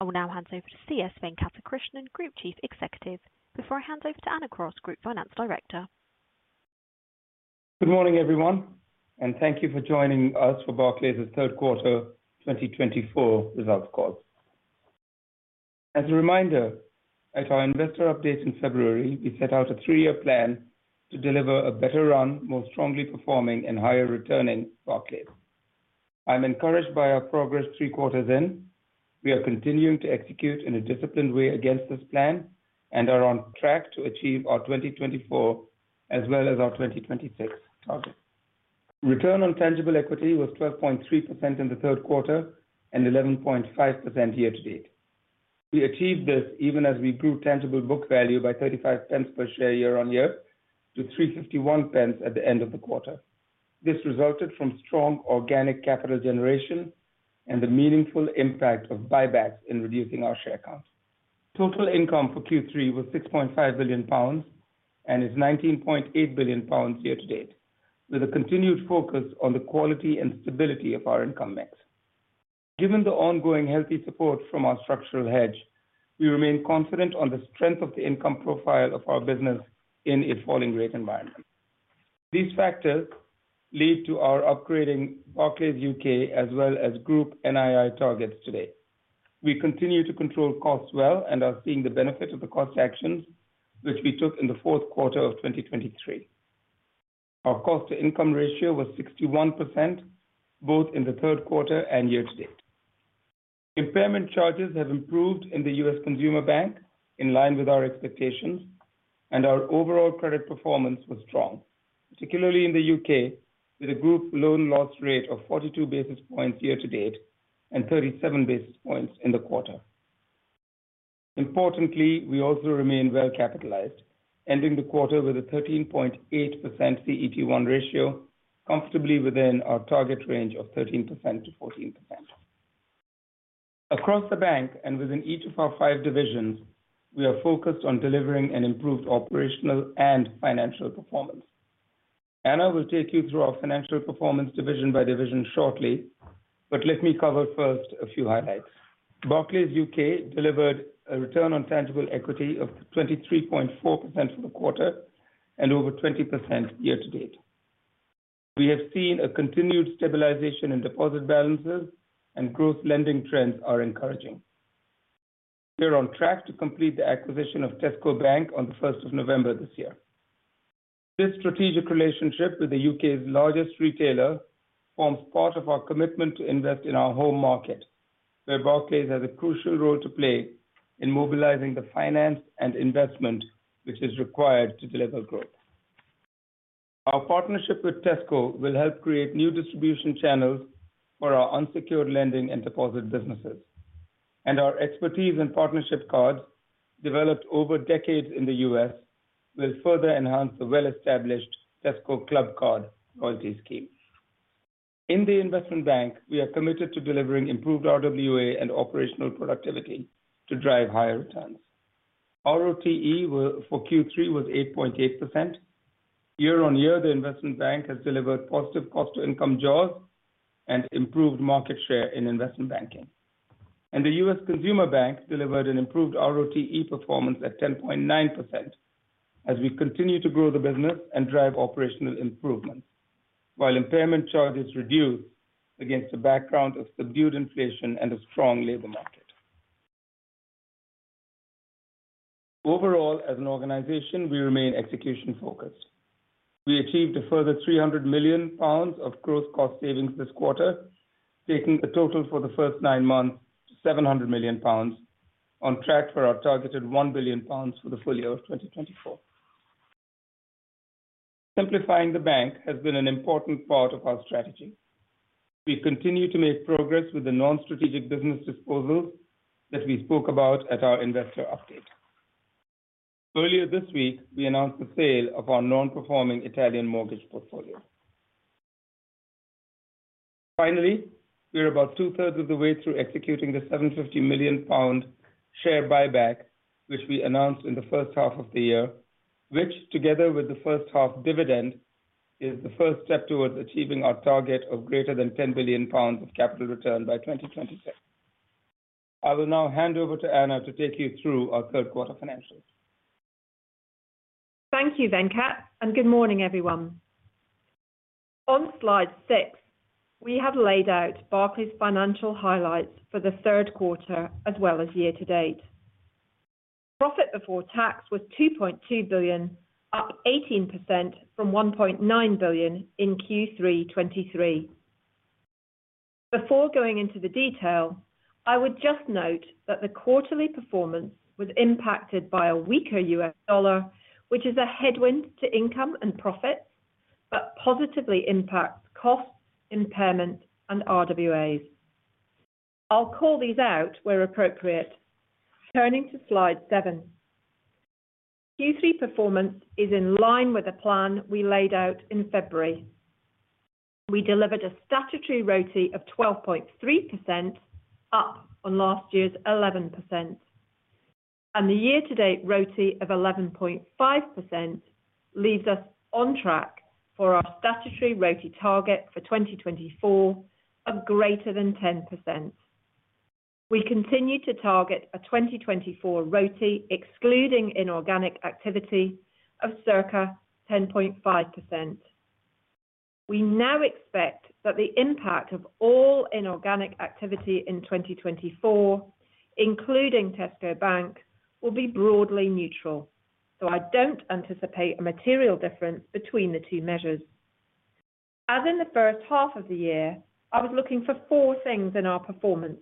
I will now hand over to C.S. Venkatakrishnan, Group Chief Executive, before I hand over to Anna Cross, Group Finance Director. Good morning, everyone, and thank you for joining us for Barclays' third quarter 2024 results call. As a reminder, at our investor update in February, we set out a three-year plan to deliver a better run, more strongly performing and higher returning Barclays. I'm encouraged by our progress three quarters in. We are continuing to execute in a disciplined way against this plan and are on track to achieve our 2024 as well as our 2026 targets. Return on tangible equity was 12.3% in the third quarter and 11.5% year to date. We achieved this even as we grew tangible book value by 0.35 per share year on year, to 3.51 at the end of the quarter. This resulted from strong organic capital generation and the meaningful impact of buybacks in reducing our share count. Total income for Q3 was 6.5 billion pounds and is 19.8 billion pounds year to date, with a continued focus on the quality and stability of our income mix. Given the ongoing healthy support from our structural hedge, we remain confident on the strength of the income profile of our business in a falling rate environment. These factors lead to our upgrading Barclays UK, as well as group NII targets today. We continue to control costs well and are seeing the benefit of the cost actions which we took in the fourth quarter of 2023. Our cost-to-income ratio was 61%, both in the third quarter and year to date. Impairment charges have improved in the U.S. Consumer Bank, in line with our expectations, and our overall credit performance was strong, particularly in the U.K., with a group loan loss rate of 42 basis points year to date and 37 basis points in the quarter. Importantly, we also remain well capitalized, ending the quarter with a 13.8% CET1 ratio, comfortably within our target range of 13% to 14%. Across the bank and within each of our five divisions, we are focused on delivering an improved operational and financial performance. Anna will take you through our financial performance division by division shortly, but let me cover first a few highlights. Barclays UK delivered a return on tangible equity of 23.4% for the quarter and over 20% year to date. We have seen a continued stabilization in deposit balances and growth lending trends are encouraging. We are on track to complete the acquisition of Tesco Bank on the first of November this year. This strategic relationship with the UK's largest retailer forms part of our commitment to invest in our home market, where Barclays has a crucial role to play in mobilizing the finance and investment which is required to deliver growth. Our partnership with Tesco will help create new distribution channels for our unsecured lending and deposit businesses, and our expertise in partnership cards, developed over decades in the US, will further enhance the well-established Tesco Clubcard loyalty scheme. In the Investment Bank, we are committed to delivering improved RWA and operational productivity to drive higher returns. ROTE for Q3 was 8.8%. Year on year, the Investment Bank has delivered positive cost-to-income jaws and improved market share in Investment Banking. And the U.S. Consumer Bank delivered an improved ROTE performance at 10.9% as we continue to grow the business and drive operational improvements, while impairment charges reduced against the background of subdued inflation and a strong labor market. Overall, as an organization, we remain execution focused. We achieved a further 300 million pounds of gross cost savings this quarter, taking the total for the first nine months to 700 million pounds, on track for our targeted 1 billion pounds for the full year of 2024. Simplifying the bank has been an important part of our strategy. We continue to make progress with the non-strategic business disposals that we spoke about at our investor update. Earlier this week, we announced the sale of our non-performing Italian mortgage portfolio. Finally, we are about two-thirds of the way through executing the 750 million pound share buyback, which we announced in the first half of the year, which, together with the first half dividend, is the first step towards achieving our target of greater than 10 billion pounds of capital return by 2026. I will now hand over to Anna to take you through our third quarter financials. Thank you, Venkat, and good morning, everyone. On slide six, we have laid out Barclays' financial highlights for the third quarter as well as year to date. Profit before tax was 2.2 billion, up 18% from 1.9 billion in Q3 2023. Before going into the detail, I would just note that the quarterly performance was impacted by a weaker U.S. dollar, which is a headwind to income and profits, but positively impacts costs, impairments, and RWAs. I'll call these out where appropriate. Turning to slide seven. Q3 performance is in line with the plan we laid out in February. We delivered a statutory ROTE of 12.3%, up on last year's 11%.... and the year-to-date ROTCE of 11.5% leaves us on track for our statutory ROTCE target for 2024 of greater than 10%. We continue to target a 2024 ROTCE, excluding inorganic activity, of circa 10.5%. We now expect that the impact of all inorganic activity in 2024, including Tesco Bank, will be broadly neutral, so I don't anticipate a material difference between the two measures. As in the first half of the year, I was looking for four things in our performance: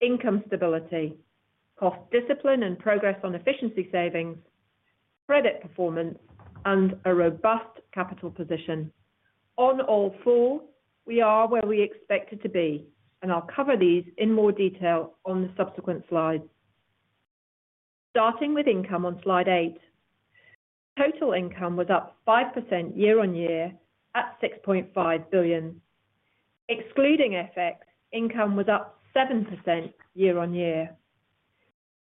income stability, cost discipline and progress on efficiency savings, credit performance, and a robust capital position. On all four, we are where we expected to be, and I'll cover these in more detail on the subsequent slides. Starting with income on Slide 8. Total income was up 5% year-on-year at 6.5 billion. Excluding FX, income was up 7% year-on-year.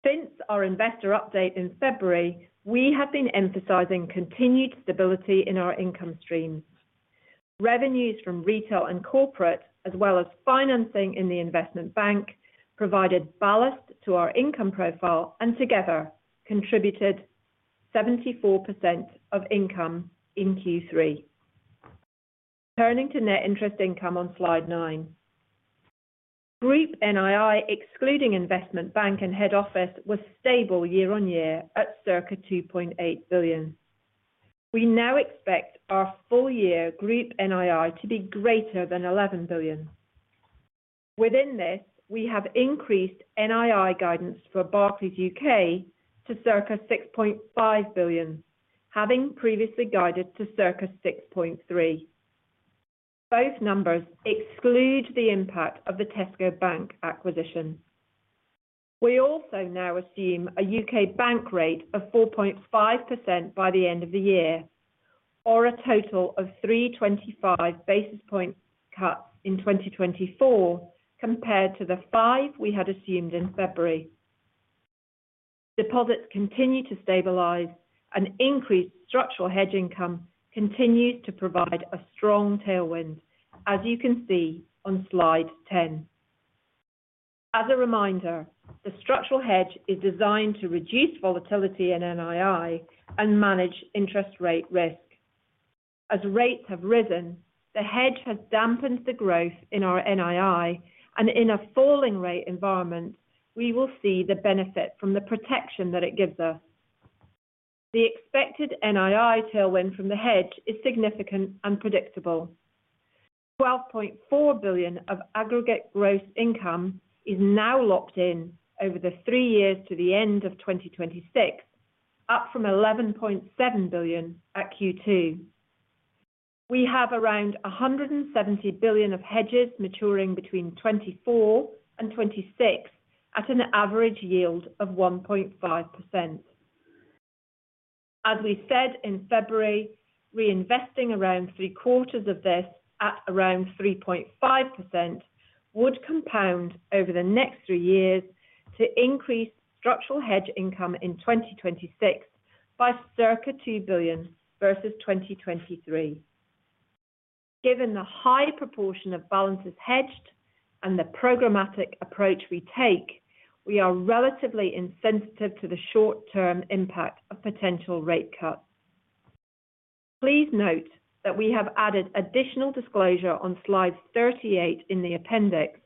Since our investor update in February, we have been emphasizing continued stability in our income stream. Revenues from retail and corporate, as well as financing in the Investment Bank, provided ballast to our income profile and together contributed 74% of income in Q3. Turning to net interest income on Slide 9. Group NII, excluding Investment Bank and Head Office, was stable year-on-year at circa 2.8 billion. We now expect our full year group NII to be greater than 11 billion. Within this, we have increased NII guidance for Barclays UK to circa 6.5 billion, having previously guided to circa 6.3. Both numbers exclude the impact of the Tesco Bank acquisition. We also now assume a UK bank rate of 4.5% by the end of the year, or a total of 325 basis point cut in 2024, compared to the 5 we had assumed in February. Deposits continue to stabilize, and increased structural hedge income continued to provide a strong tailwind, as you can see on Slide 10. As a reminder, the structural hedge is designed to reduce volatility in NII and manage interest rate risk. As rates have risen, the hedge has dampened the growth in our NII, and in a falling rate environment, we will see the benefit from the protection that it gives us. The expected NII tailwind from the hedge is significant and predictable. £12.4 billion of aggregate gross income is now locked in over the three years to the end of 2026, up from £11.7 billion at Q2. We have around £170 billion of hedges maturing between 2024 and 2026, at an average yield of 1.5%. As we said in February, reinvesting around three quarters of this at around 3.5% would compound over the next three years to increase structural hedge income in 2026 by circa 2 billion versus 2023. Given the high proportion of balances hedged and the programmatic approach we take, we are relatively insensitive to the short-term impact of potential rate cuts. Please note that we have added additional disclosure on slide 38 in the appendix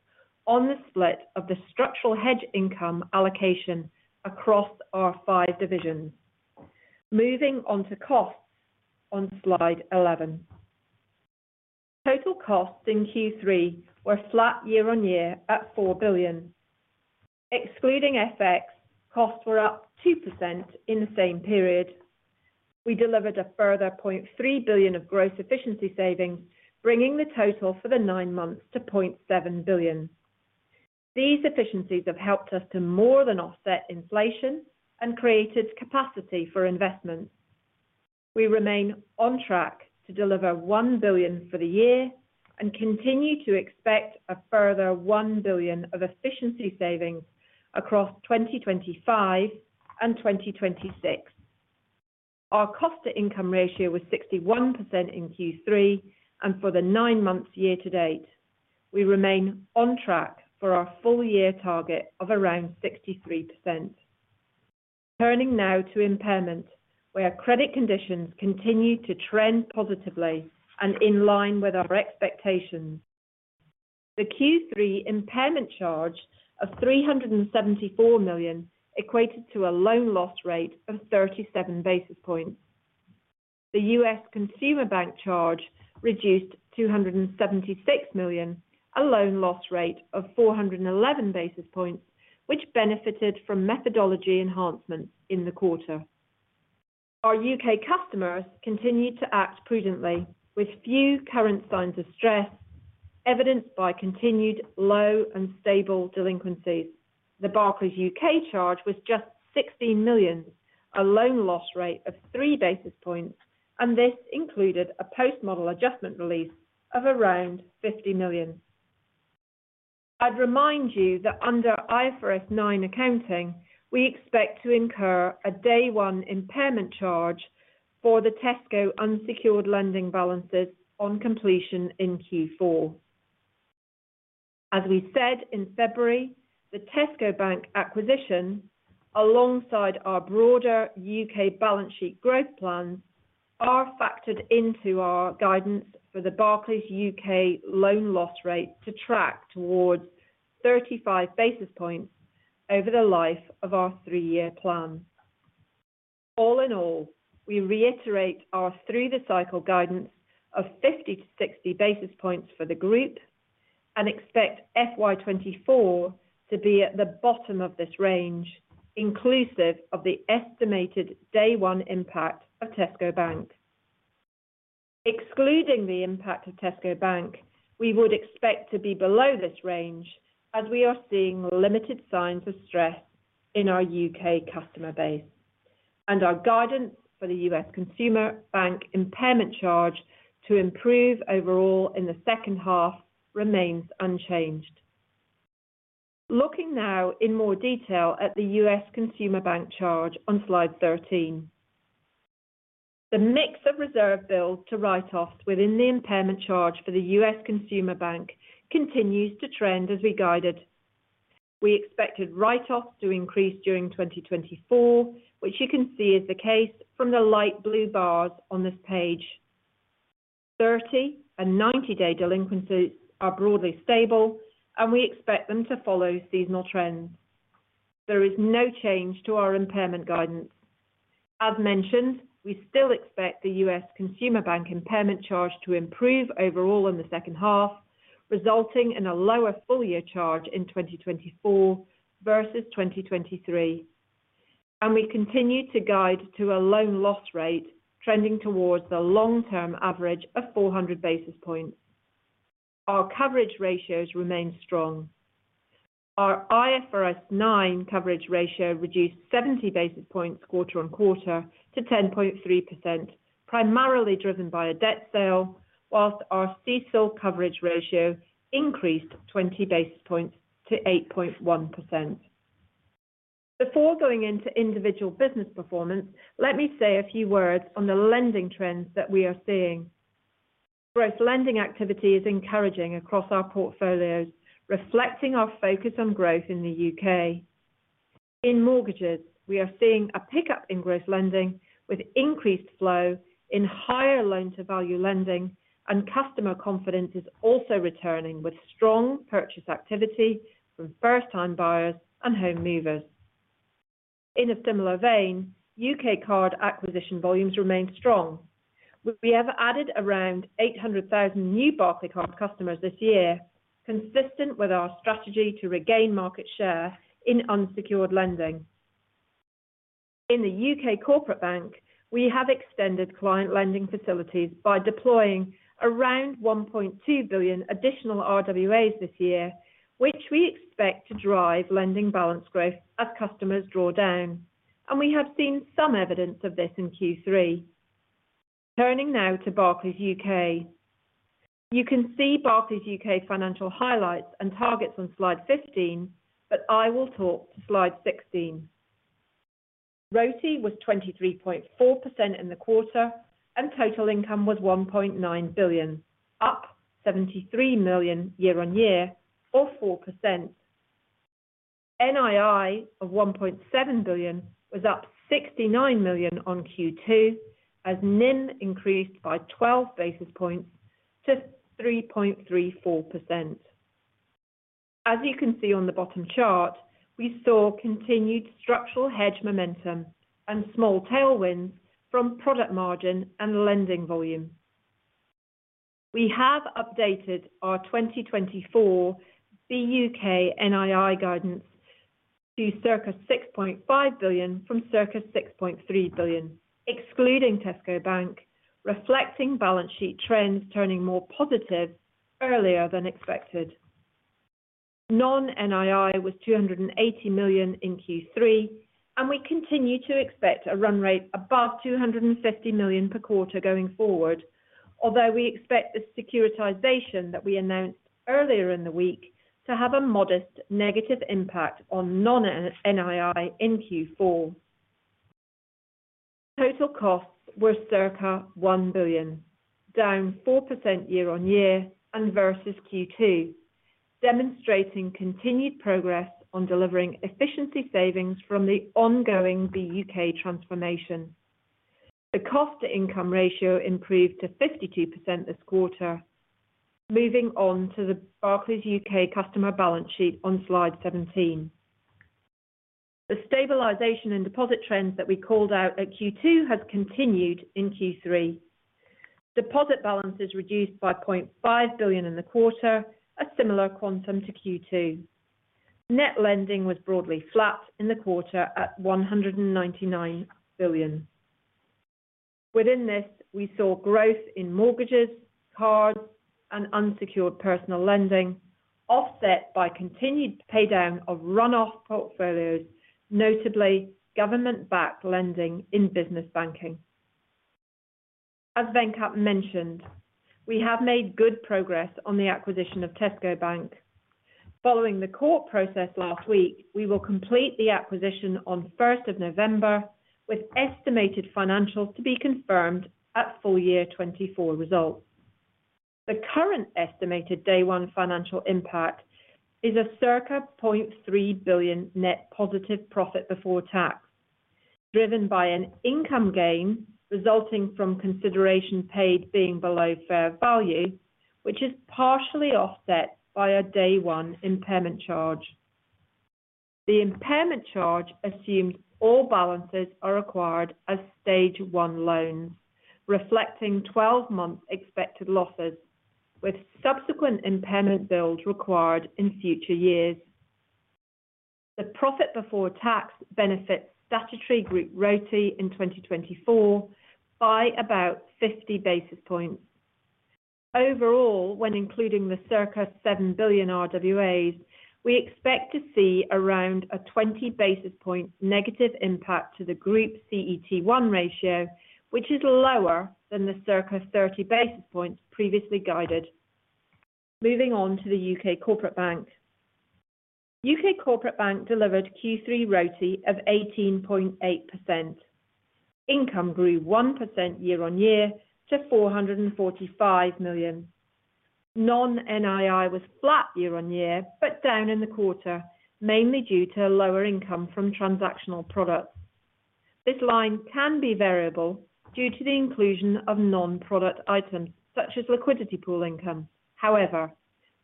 on the split of the structural hedge income allocation across our five divisions. Moving on to costs on slide 11. Total costs in Q3 were flat year-on-year at 4 billion. Excluding FX, costs were up 2% in the same period. We delivered a further 0.3 billion of gross efficiency savings, bringing the total for the nine months to 0.7 billion. These efficiencies have helped us to more than offset inflation and created capacity for investment. We remain on track to deliver 1 billion for the year and continue to expect a further 1 billion of efficiency savings across 2025 and 2026. Our cost-to-income ratio was 61% in Q3, and for the nine months year-to-date, we remain on track for our full year target of around 63%. Turning now to impairment, where credit conditions continue to trend positively and in line with our expectations. The Q3 impairment charge of 374 million equated to a loan loss rate of 37 basis points. The U.S. consumer bank charge reduced to 276 million, a loan loss rate of 411 basis points, which benefited from methodology enhancements in the quarter. Our UK customers continued to act prudently, with few current signs of stress, evidenced by continued low and stable delinquencies. The Barclays UK charge was just sixteen million, a loan loss rate of three basis points, and this included a post-model adjustment release of around fifty million. I'd remind you that under IFRS 9 accounting, we expect to incur a day one impairment charge for the Tesco unsecured lending balances on completion in Q4. As we said in February, the Tesco Bank acquisition, alongside our broader UK balance sheet growth plans, are factored into our guidance for the Barclays UK loan loss rate to track towards thirty-five basis points over the life of our three-year plan. All in all, we reiterate our through-the-cycle guidance of 50-60 basis points for the group and expect FY 2024 to be at the bottom of this range, inclusive of the estimated day one impact of Tesco Bank. Excluding the impact of Tesco Bank, we would expect to be below this range, as we are seeing limited signs of stress in our UK customer base, and our guidance for the US Consumer Bank impairment charge to improve overall in the second half remains unchanged. Looking now in more detail at the US Consumer Bank charge on Slide 13. The mix of reserve build to write-offs within the impairment charge for the US Consumer Bank continues to trend as we guided. We expected write-offs to increase during 2024, which you can see is the case from the light blue bars on this page. Thirty- and ninety-day delinquencies are broadly stable, and we expect them to follow seasonal trends. There is no change to our impairment guidance. As mentioned, we still expect the US Consumer Bank impairment charge to improve overall in the second half, resulting in a lower full-year charge in twenty twenty-four versus twenty twenty-three, and we continue to guide to a loan loss rate trending towards the long-term average of four hundred basis points. Our coverage ratios remain strong. Our IFRS 9 coverage ratio reduced seventy basis points quarter on quarter to 10.3%, primarily driven by a debt sale, whilst our CECL coverage ratio increased twenty basis points to 8.1%. Before going into individual business performance, let me say a few words on the lending trends that we are seeing. Gross lending activity is encouraging across our portfolios, reflecting our focus on growth in the U.K. In mortgages, we are seeing a pickup in gross lending with increased flow in higher loan-to-value lending, and customer confidence is also returning with strong purchase activity from first-time buyers and home movers. In a similar vein, U.K. card acquisition volumes remain strong. We have added around 800,000 new Barclays customers this year, consistent with our strategy to regain market share in unsecured lending. In the U.K. Corporate Bank, we have extended client lending facilities by deploying around 1.2 billion additional RWAs this year, which we expect to drive lending balance growth as customers draw down, and we have seen some evidence of this in Q3. Turning now to Barclays UK. You can see Barclays UK financial highlights and targets on Slide 15, but I will talk to Slide 16. RoTE was 23.4% in the quarter, and total income was 1.9 billion, up 73 million year on year, or 4%. NII of 1.7 billion was up 69 million on Q2, as NIM increased by 12 basis points to 3.34%. As you can see on the bottom chart, we saw continued structural hedge momentum and small tailwinds from product margin and lending volume. We have updated our 2024 Barclays UK NII guidance to circa 6.5 billion from circa 6.3 billion, excluding Tesco Bank, reflecting balance sheet trends turning more positive earlier than expected. Non-NII was £280 million in Q3, and we continue to expect a run rate above £250 million per quarter going forward, although we expect the securitization that we announced earlier in the week to have a modest negative impact on non-NII in Q4. Total costs were circa £1 billion, down 4% year on year and versus Q2, demonstrating continued progress on delivering efficiency savings from the ongoing BUK transformation. The cost-to-income ratio improved to 52% this quarter. Moving on to the Barclays UK customer balance sheet on Slide 17. The stabilization in deposit trends that we called out at Q2 has continued in Q3. Deposit balances reduced by £0.5 billion in the quarter, a similar quantum to Q2. Net lending was broadly flat in the quarter at £199 billion. Within this, we saw growth in mortgages, cards, and unsecured personal lending, offset by continued paydown of run-off portfolios, notably government-backed lending in Business Banking. As Venkat mentioned, we have made good progress on the acquisition of Tesco Bank. Following the court process last week, we will complete the acquisition on the first of November, with estimated financials to be confirmed at full year 2024 results. The current estimated day one financial impact is a circa 0.3 billion net positive profit before tax, driven by an income gain resulting from consideration paid being below fair value, which is partially offset by a day one impairment charge. The impairment charge assumes all balances are acquired as stage one loans, reflecting 12 months expected losses, with subsequent impairment builds required in future years. The profit before tax benefits statutory group ROTE in 2024 by about 50 basis points. Overall, when including the circa 7 billion RWAs, we expect to see around a 20 basis points negative impact to the group CET1 ratio, which is lower than the circa 30 basis points previously guided. Moving on to the UK Corporate Bank. UK Corporate Bank delivered Q3 ROTE of 18.8%. Income grew 1% year on year to 445 million. Non-NII was flat year on year, but down in the quarter, mainly due to lower income from transactional products. This line can be variable due to the inclusion of non-product items such as liquidity pool income. However,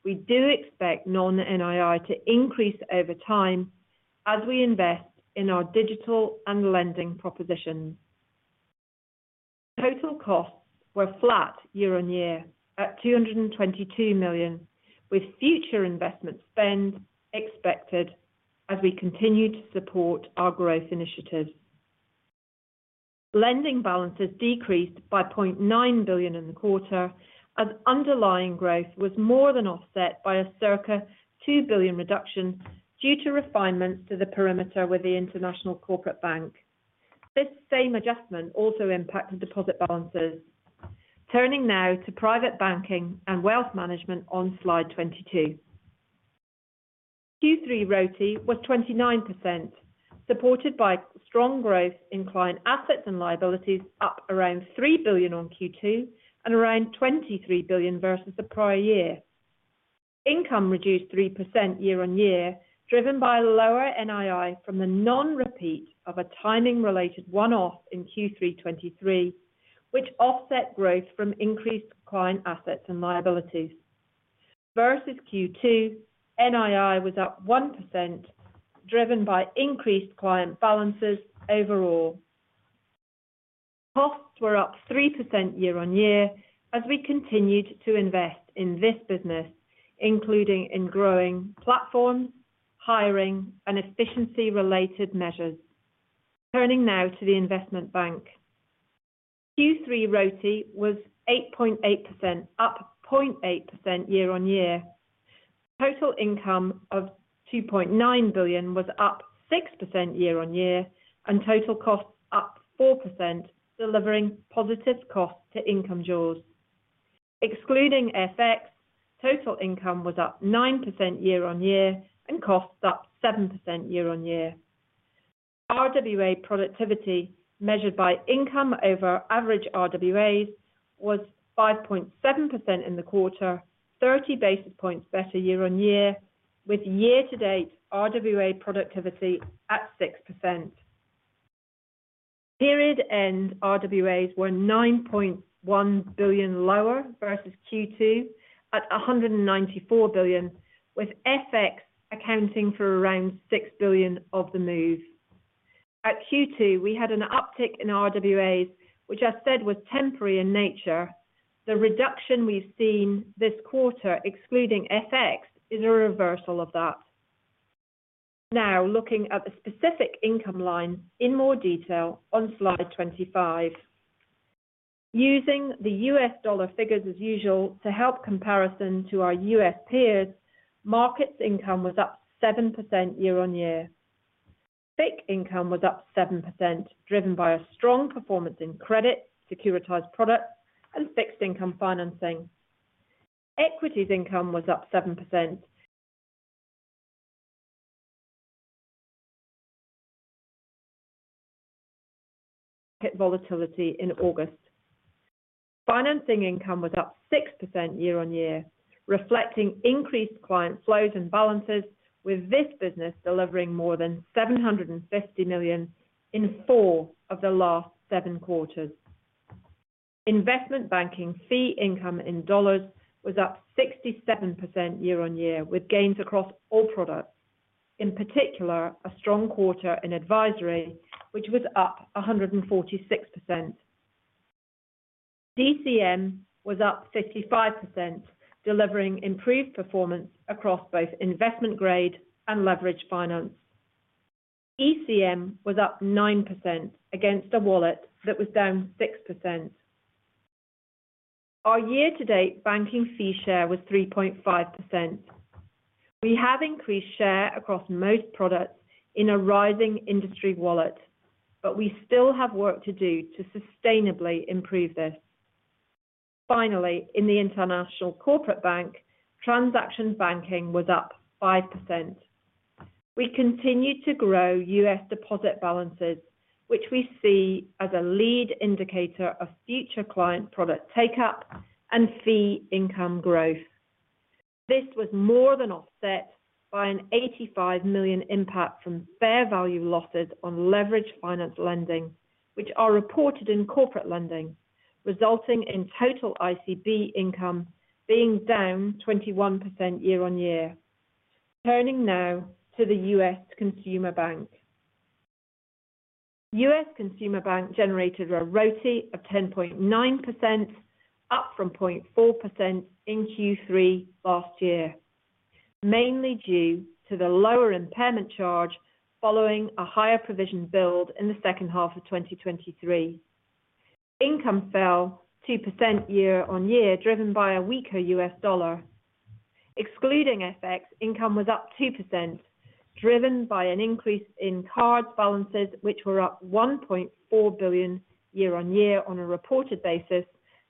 we do expect non-NII to increase over time as we invest in our digital and lending propositions. Total costs were flat year on year at 222 million, with future investment spend expected as we continue to support our growth initiatives. Lending balances decreased by 0.9 billion in the quarter, as underlying growth was more than offset by a circa 2 billion reduction due to refinements to the perimeter with the International Corporate Bank. This same adjustment also impacted deposit balances. Turning now to Private Banking and Wealth Management on Slide 22. Q3 ROTE was 29%, supported by strong growth in client assets and liabilities, up around 3 billion on Q2 and around 23 billion versus the prior year. Income reduced 3% year on year, driven by lower NII from the non-repeat of a timing-related one-off in Q3 2023, which offset growth from increased client assets and liabilities. Versus Q2, NII was up 1%, driven by increased client balances overall. Costs were up 3% year on year as we continued to invest in this business, including in growing platforms, hiring and efficiency-related measures. Turning now to the Investment Bank. Q3 ROTE was 8.8%, up 0.8% year on year. Total income of £2.9 billion was up 6% year on year and total costs up 4%, delivering positive cost-to-income jaws. Excluding FX, total income was up 9% year on year and costs up 7% year on year. RWA productivity, measured by income over average RWAs, was 5.7% in the quarter, 30 basis points better year on year, with year-to-date RWA productivity at 6%. Period end RWAs were 9.1 billion lower versus Q2 at 194 billion, with FX accounting for around £6 billion of the move. At Q2, we had an uptick in RWAs, which I said was temporary in nature. The reduction we've seen this quarter, excluding FX, is a reversal of that. Now, looking at the specific income line in more detail on Slide 25. Using the U.S. dollar figures as usual to help comparison to our U.S. peers, Markets income was up 7% year on year. FICC income was up 7%, driven by a strong performance in credit, securitized products, and fixed income financing. Equities income was up 7%... volatility in August. Financing income was up 6% year on year, reflecting increased client flows and balances, with this business delivering more than $750 million in four of the last seven quarters. Investment banking fee income in dollars was up 67% year on year, with gains across all products, in particular, a strong quarter in advisory, which was up 146%. DCM was up 55%, delivering improved performance across both investment grade and leveraged finance. ECM was up 9% against a wallet that was down 6%. Our year-to-date banking fee share was 3.5%. We have increased share across most products in a rising industry wallet, but we still have work to do to sustainably improve this. Finally, in the International Corporate Bank, Transaction Banking was up 5%. We continued to grow US deposit balances, which we see as a lead indicator of future client product take-up and fee income growth. This was more than offset by a 85 million impact from fair value losses on leveraged finance lending, which are reported in corporate lending, resulting in total ICB income being down 21% year on year. Turning now to the US Consumer Bank. US Consumer Bank generated a ROTE of 10.9%, up from 0.4% in Q3 last year, mainly due to the lower impairment charge following a higher provision build in the second half of 2023. Income fell 2% year on year, driven by a weaker US dollar. Excluding FX, income was up 2%, driven by an increase in card balances, which were up $1.4 billion year on year on a reported basis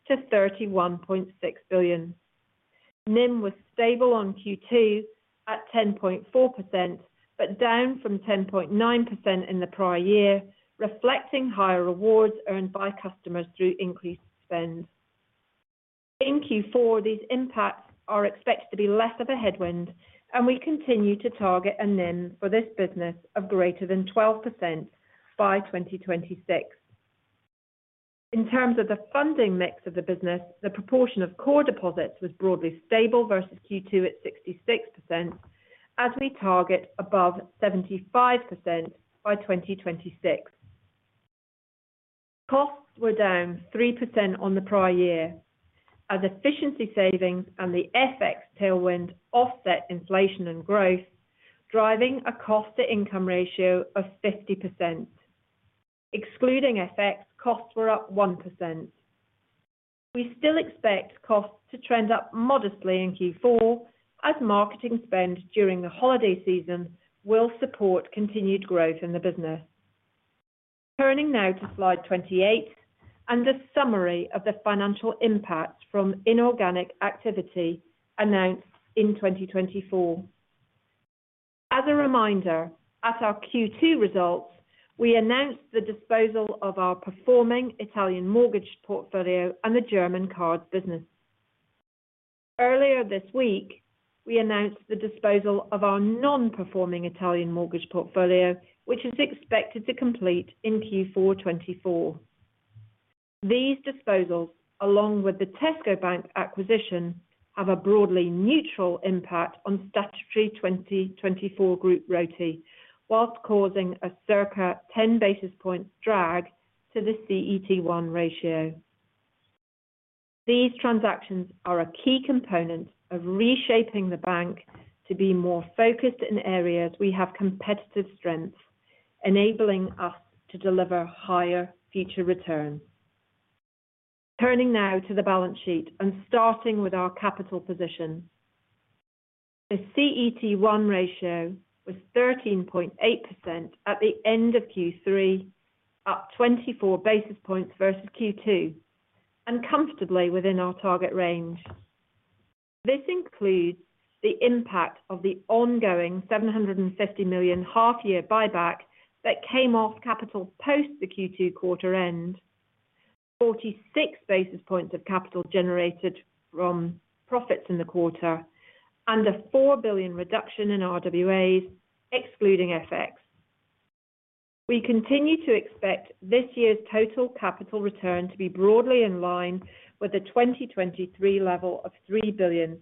to $31.6 billion. NIM was stable on Q2 at 10.4%, but down from 10.9% in the prior year, reflecting higher rewards earned by customers through increased spend. In Q4, these impacts are expected to be less of a headwind, and we continue to target a NIM for this business of greater than 12% by 2026. In terms of the funding mix of the business, the proportion of core deposits was broadly stable versus Q2 at 66%, as we target above 75% by 2026. Costs were down 3% on the prior year, as efficiency savings and the FX tailwind offset inflation and growth, driving a cost-to-income ratio of 50%. Excluding FX, costs were up 1%. We still expect costs to trend up modestly in Q4 as marketing spend during the holiday season will support continued growth in the business. Turning now to slide 28 and a summary of the financial impacts from inorganic activity announced in 2024. As a reminder, at our Q2 results, we announced the disposal of our performing Italian mortgage portfolio and the German card business. Earlier this week, we announced the disposal of our non-performing Italian mortgage portfolio, which is expected to complete in Q4 2024. These disposals, along with the Tesco Bank acquisition, have a broadly neutral impact on statutory 2024 group ROTE, whilst causing a circa 10 basis points drag to the CET1 ratio. These transactions are a key component of reshaping the bank to be more focused in areas we have competitive strengths, enabling us to deliver higher future returns. Turning now to the balance sheet and starting with our capital position. The CET1 ratio was 13.8% at the end of Q3, up 24 basis points versus Q2, and comfortably within our target range. This includes the impact of the ongoing 750 million half-year buyback that came off capital post the Q2 quarter end, 46 basis points of capital generated from profits in the quarter, and a 4 billion reduction in RWAs, excluding FX. We continue to expect this year's total capital return to be broadly in line with the 2023 level of 3 billion,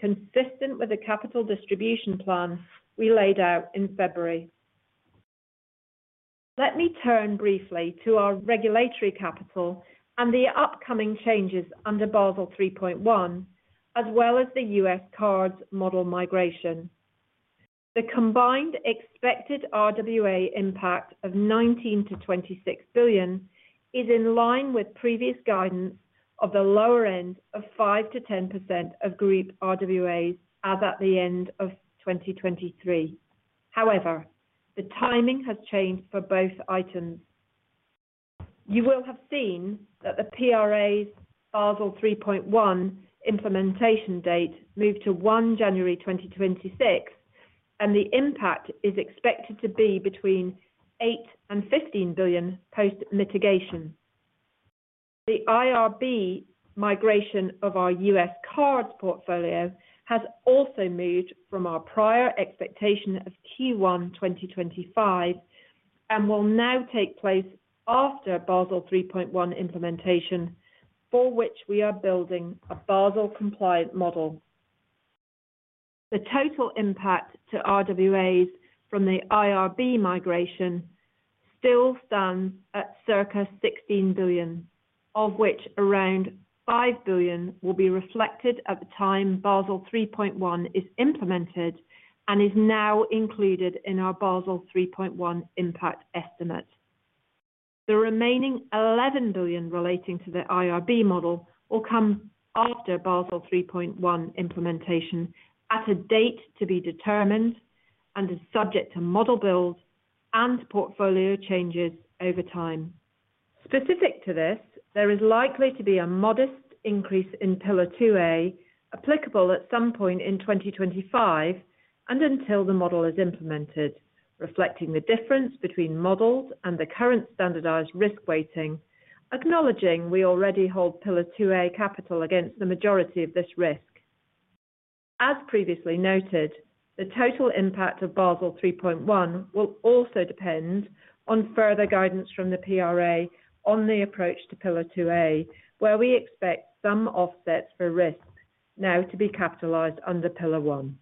consistent with the capital distribution plan we laid out in February. Let me turn briefly to our regulatory capital and the upcoming changes under Basel 3.1, as well as the U.S. cards model migration. The combined expected RWA impact of 19-26 billion is in line with previous guidance of the lower end of 5%-10% of group RWAs as at the end of 2023. However, the timing has changed for both items. You will have seen that the PRA's Basel 3.1 implementation date moved to 1 January 2026, and the impact is expected to be between 8 billion and 15 billion post mitigation. The IRB migration of our U.S. cards portfolio has also moved from our prior expectation of Q1 2025 and will now take place after Basel 3.1 implementation, for which we are building a Basel-compliant model. The total impact to RWAs from the IRB migration still stands at circa 16 billion, of which around 5 billion will be reflected at the time Basel 3.1 is implemented and is now included in our Basel 3.1 impact estimate. The remaining 11 billion relating to the IRB model will come after Basel 3.1 implementation at a date to be determined and is subject to model builds and portfolio changes over time. Specific to this, there is likely to be a modest increase in Pillar 2A, applicable at some point in 2025 and until the model is implemented, reflecting the difference between models and the current standardized risk weighting, acknowledging we already hold Pillar 2A capital against the majority of this risk. As previously noted, the total impact of Basel 3.1 will also depend on further guidance from the PRA on the approach to Pillar 2A, where we expect some offsets for risks now to be capitalized under Pillar 1.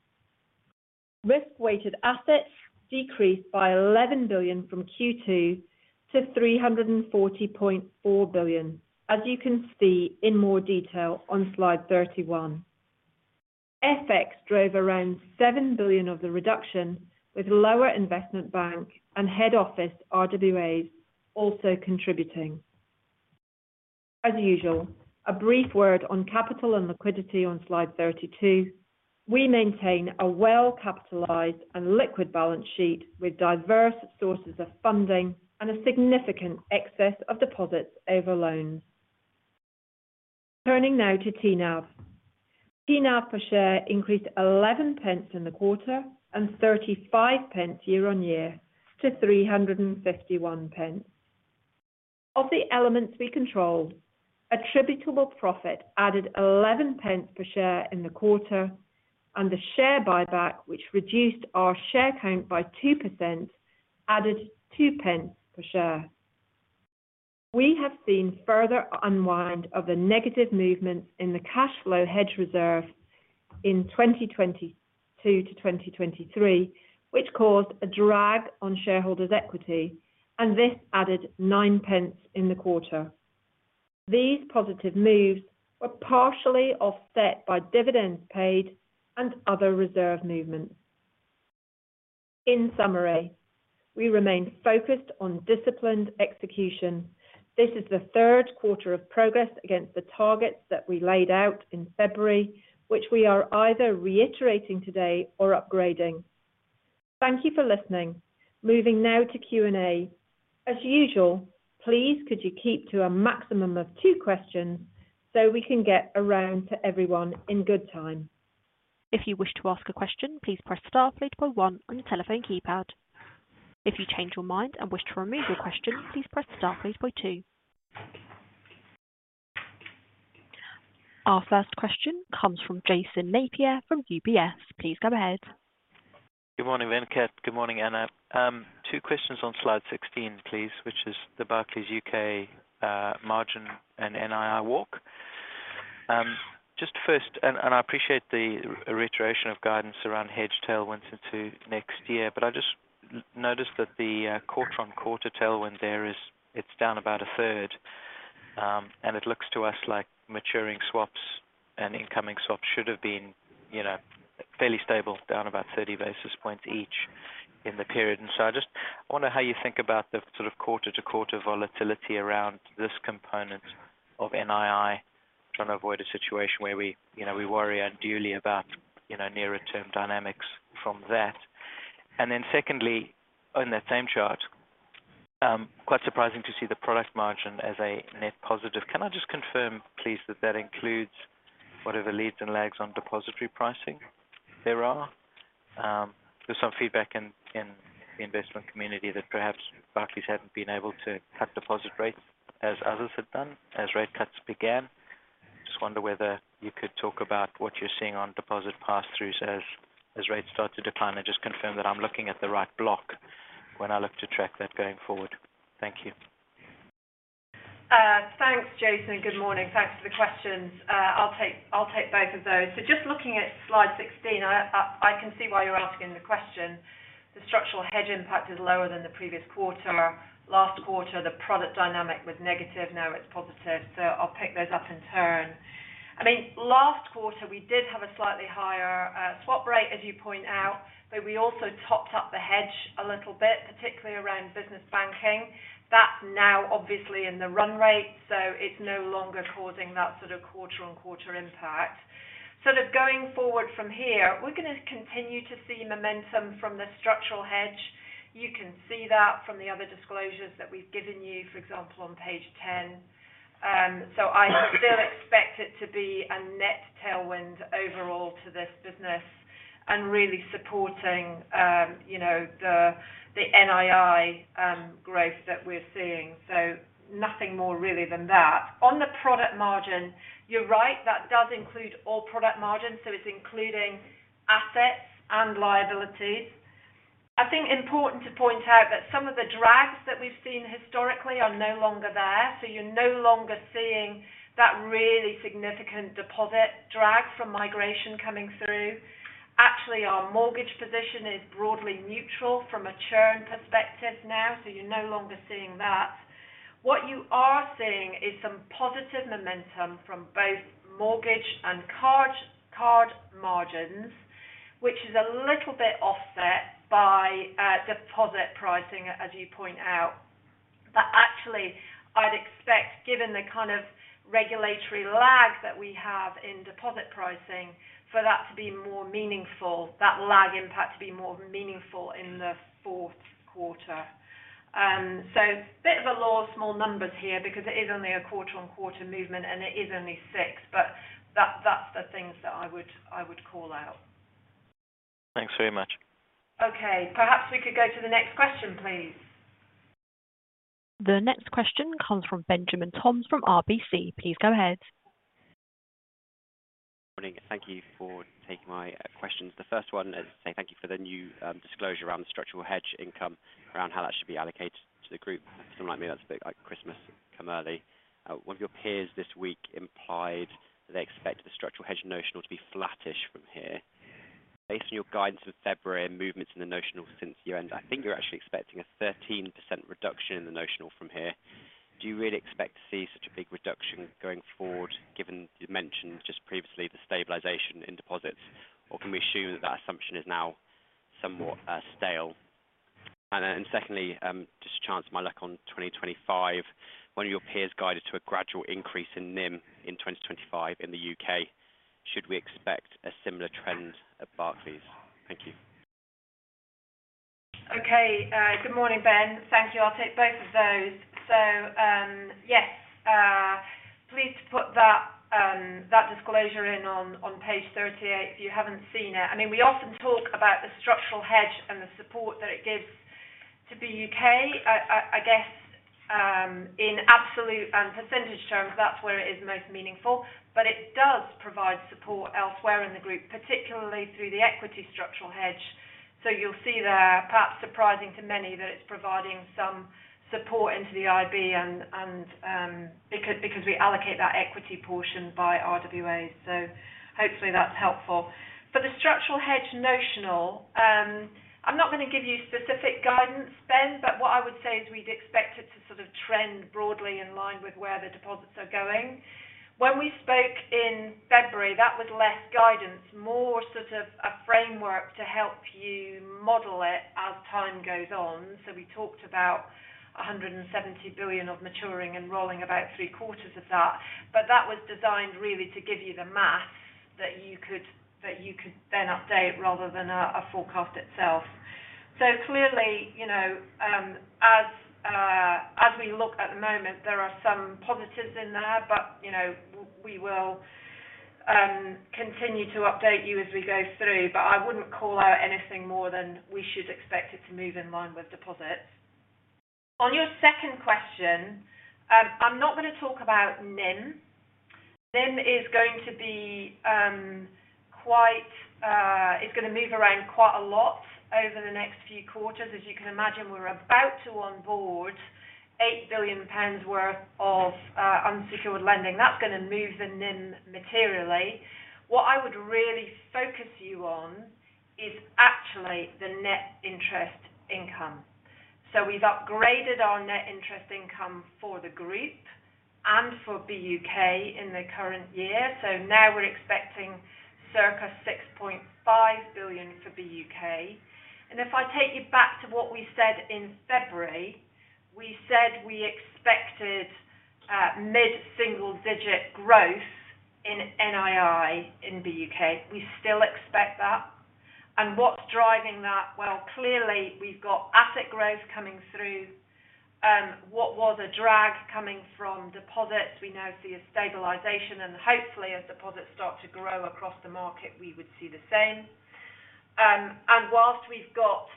Risk-weighted assets decreased by 11 billion from Q2 to 340.4 billion, as you can see in more detail on slide 31. FX drove around 7 billion of the reduction, with lower Investment Bank and Head Office RWAs also contributing. As usual, a brief word on capital and liquidity on slide 32. We maintain a well-capitalized and liquid balance sheet with diverse sources of funding and a significant excess of deposits over loans. Turning now to TNAV. TNAV per share increased 0.11 in the quarter and 0.35 year on year to 3.51. Of the elements we control, attributable profit added 0.11 per share in the quarter, and the share buyback, which reduced our share count by 2%, added 0.02 per share. We have seen further unwind of the negative movement in the cash flow hedge reserve in 2022 to 2023, which caused a drag on shareholders' equity, and this added 0.09 in the quarter. These positive moves were partially offset by dividends paid and other reserve movements. In summary, we remain focused on disciplined execution. This is the third quarter of progress against the targets that we laid out in February, which we are either reiterating today or upgrading. Thank you for listening. Moving now to Q&A. As usual, please could you keep to a maximum of two questions, so we can get around to everyone in good time. If you wish to ask a question, please press star three point one on your telephone keypad. If you change your mind and wish to remove your question, please press star three point two. Our first question comes from Jason Napier from UBS. Please go ahead. Good morning, Venkat. Good morning, Anna. Two questions on slide sixteen, please, which is the Barclays UK margin and NII walk. Just first, and I appreciate the reiteration of guidance around hedge tailwinds into next year, but I just noticed that the quarter on quarter tailwind there is, it's down about a third. And it looks to us like maturing swaps and incoming swaps should have been, you know, fairly stable, down about thirty basis points each in the period. And so I just wonder how you think about the sort of quarter-to-quarter volatility around this component of NII, trying to avoid a situation where we, you know, we worry unduly about, you know, near-term dynamics from that. And then secondly, on that same chart, quite surprising to see the product margin as a net positive. Can I just confirm, please, that that includes whatever leads and lags on depository pricing there are? There's some feedback in the investment community that perhaps Barclays haven't been able to cut deposit rates as others have done, as rate cuts began. Just wonder whether you could talk about what you're seeing on deposit pass-throughs as rates start to decline, and just confirm that I'm looking at the right block when I look to track that going forward. Thank you. Thanks, Jason. Good morning. Thanks for the questions. I'll take both of those. So just looking at slide 16, I can see why you're asking the question. The structural hedge impact is lower than the previous quarter. Last quarter, the product dynamic was negative, now it's positive, so I'll pick those up in turn. I mean, last quarter, we did have a slightly higher swap rate, as you point out, but we also topped up the hedge a little bit, particularly around Business Banking. That's now obviously in the run rate, so it's no longer causing that sort of quarter-on-quarter impact. Sort of going forward from here, we're gonna continue to see momentum from the structural hedge. You can see that from the other disclosures that we've given you, for example, on page 10. So I still expect it to be a net tailwind overall to this business and really supporting, you know, the NII growth that we're seeing, so nothing more really than that. On the product margin, you're right, that does include all product margins, so it's including assets and liabilities. I think important to point out that some of the drags that we've seen historically are no longer there, so you're no longer seeing that really significant deposit drag from migration coming through. Actually, our mortgage position is broadly neutral from a churn perspective now, so you're no longer seeing that. What you are seeing is some positive momentum from both mortgage and card margins, which is a little bit offset by deposit pricing, as you point out. But actually, I'd expect, given the kind of regulatory lag that we have in deposit pricing, for that to be more meaningful, that lag impact to be more meaningful in the fourth quarter. So bit of a law of small numbers here because it is only a quarter-on-quarter movement, and it is only six, but that, that's the things that I would, I would call out. Thanks very much. Okay, perhaps we could go to the next question, please. The next question comes from Benjamin Toms from RBC. Please go ahead. Morning. Thank you for taking my questions. The first one is, say thank you for the new disclosure around the structural hedge income, around how that should be allocated to the group. Someone like me, that's a bit like Christmas come early. One of your peers this week implied they expect the structural hedge notional to be flattish from here. Based on your guidance in February and movements in the notional since year-end, I think you're actually expecting a 13% reduction in the notional from here. Do you really expect to see such a big reduction going forward, given you mentioned just previously the stabilization in deposits, or can we assume that that assumption is now somewhat stale? And then, secondly, just to chance my luck on 2025, one of your peers guided to a gradual increase in NIM in 2025 in the U.K. Should we expect a similar trend at Barclays? Thank you. Okay, good morning, Ben. Thank you. I'll take both of those. So, yes, pleased to put that disclosure in on page 38, if you haven't seen it. I mean, we often talk about the structural hedge and the support that it gives to the UK. I guess, in absolute and percentage terms, that's where it is most meaningful, but it does provide support elsewhere in the group, particularly through the equity structural hedge. So you'll see there, perhaps surprising to many, that it's providing some support into the IB and because we allocate that equity portion by RWAs. So hopefully that's helpful. For the structural hedge notional, I'm not going to give you specific guidance, Ben, but what I would say is we'd expect it to sort of trend broadly in line with where the deposits are going. When we spoke in February, that was less guidance, more sort of a framework to help you model it as time goes on. So we talked about a hundred and seventy billion of maturing and rolling about three quarters of that. But that was designed really to give you the math that you could then update rather than a forecast itself. So clearly, you know, as we look at the moment, there are some positives in there, but, you know, we will continue to update you as we go through, but I wouldn't call out anything more than we should expect it to move in line with deposits. On your second question, I'm not going to talk about NIM. NIM is going to be quite is going to move around quite a lot over the next few quarters. As you can imagine, we're about to onboard 8 billion pounds worth of unsecured lending. That's going to move the NIM materially. What I would really focus you on is actually the net interest income. So we've upgraded our net interest income for the group and for BUK in the current year. So now we're expecting circa 6.5 billion for BUK. And if I take you back to what we said in February, we said we expected mid-single digit growth in NII in BUK. We still expect that. And what's driving that? Well, clearly, we've got asset growth coming through. What was a drag coming from deposits, we now see a stabilization, and hopefully as deposits start to grow across the market, we would see the same. And whilst we've got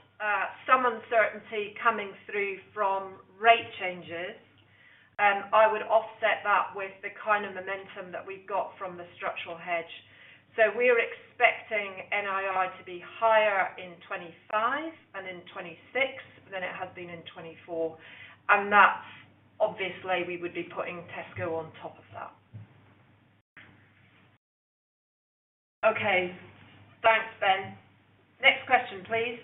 some uncertainty coming through from rate changes, I would offset that with the kind of momentum that we've got from the structural hedge. So we're expecting NII to be higher in 2025 and in 2026 than it has been in 2024, and that's obviously we would be putting Tesco on top of that. Okay, thanks, Ben. Next question, please.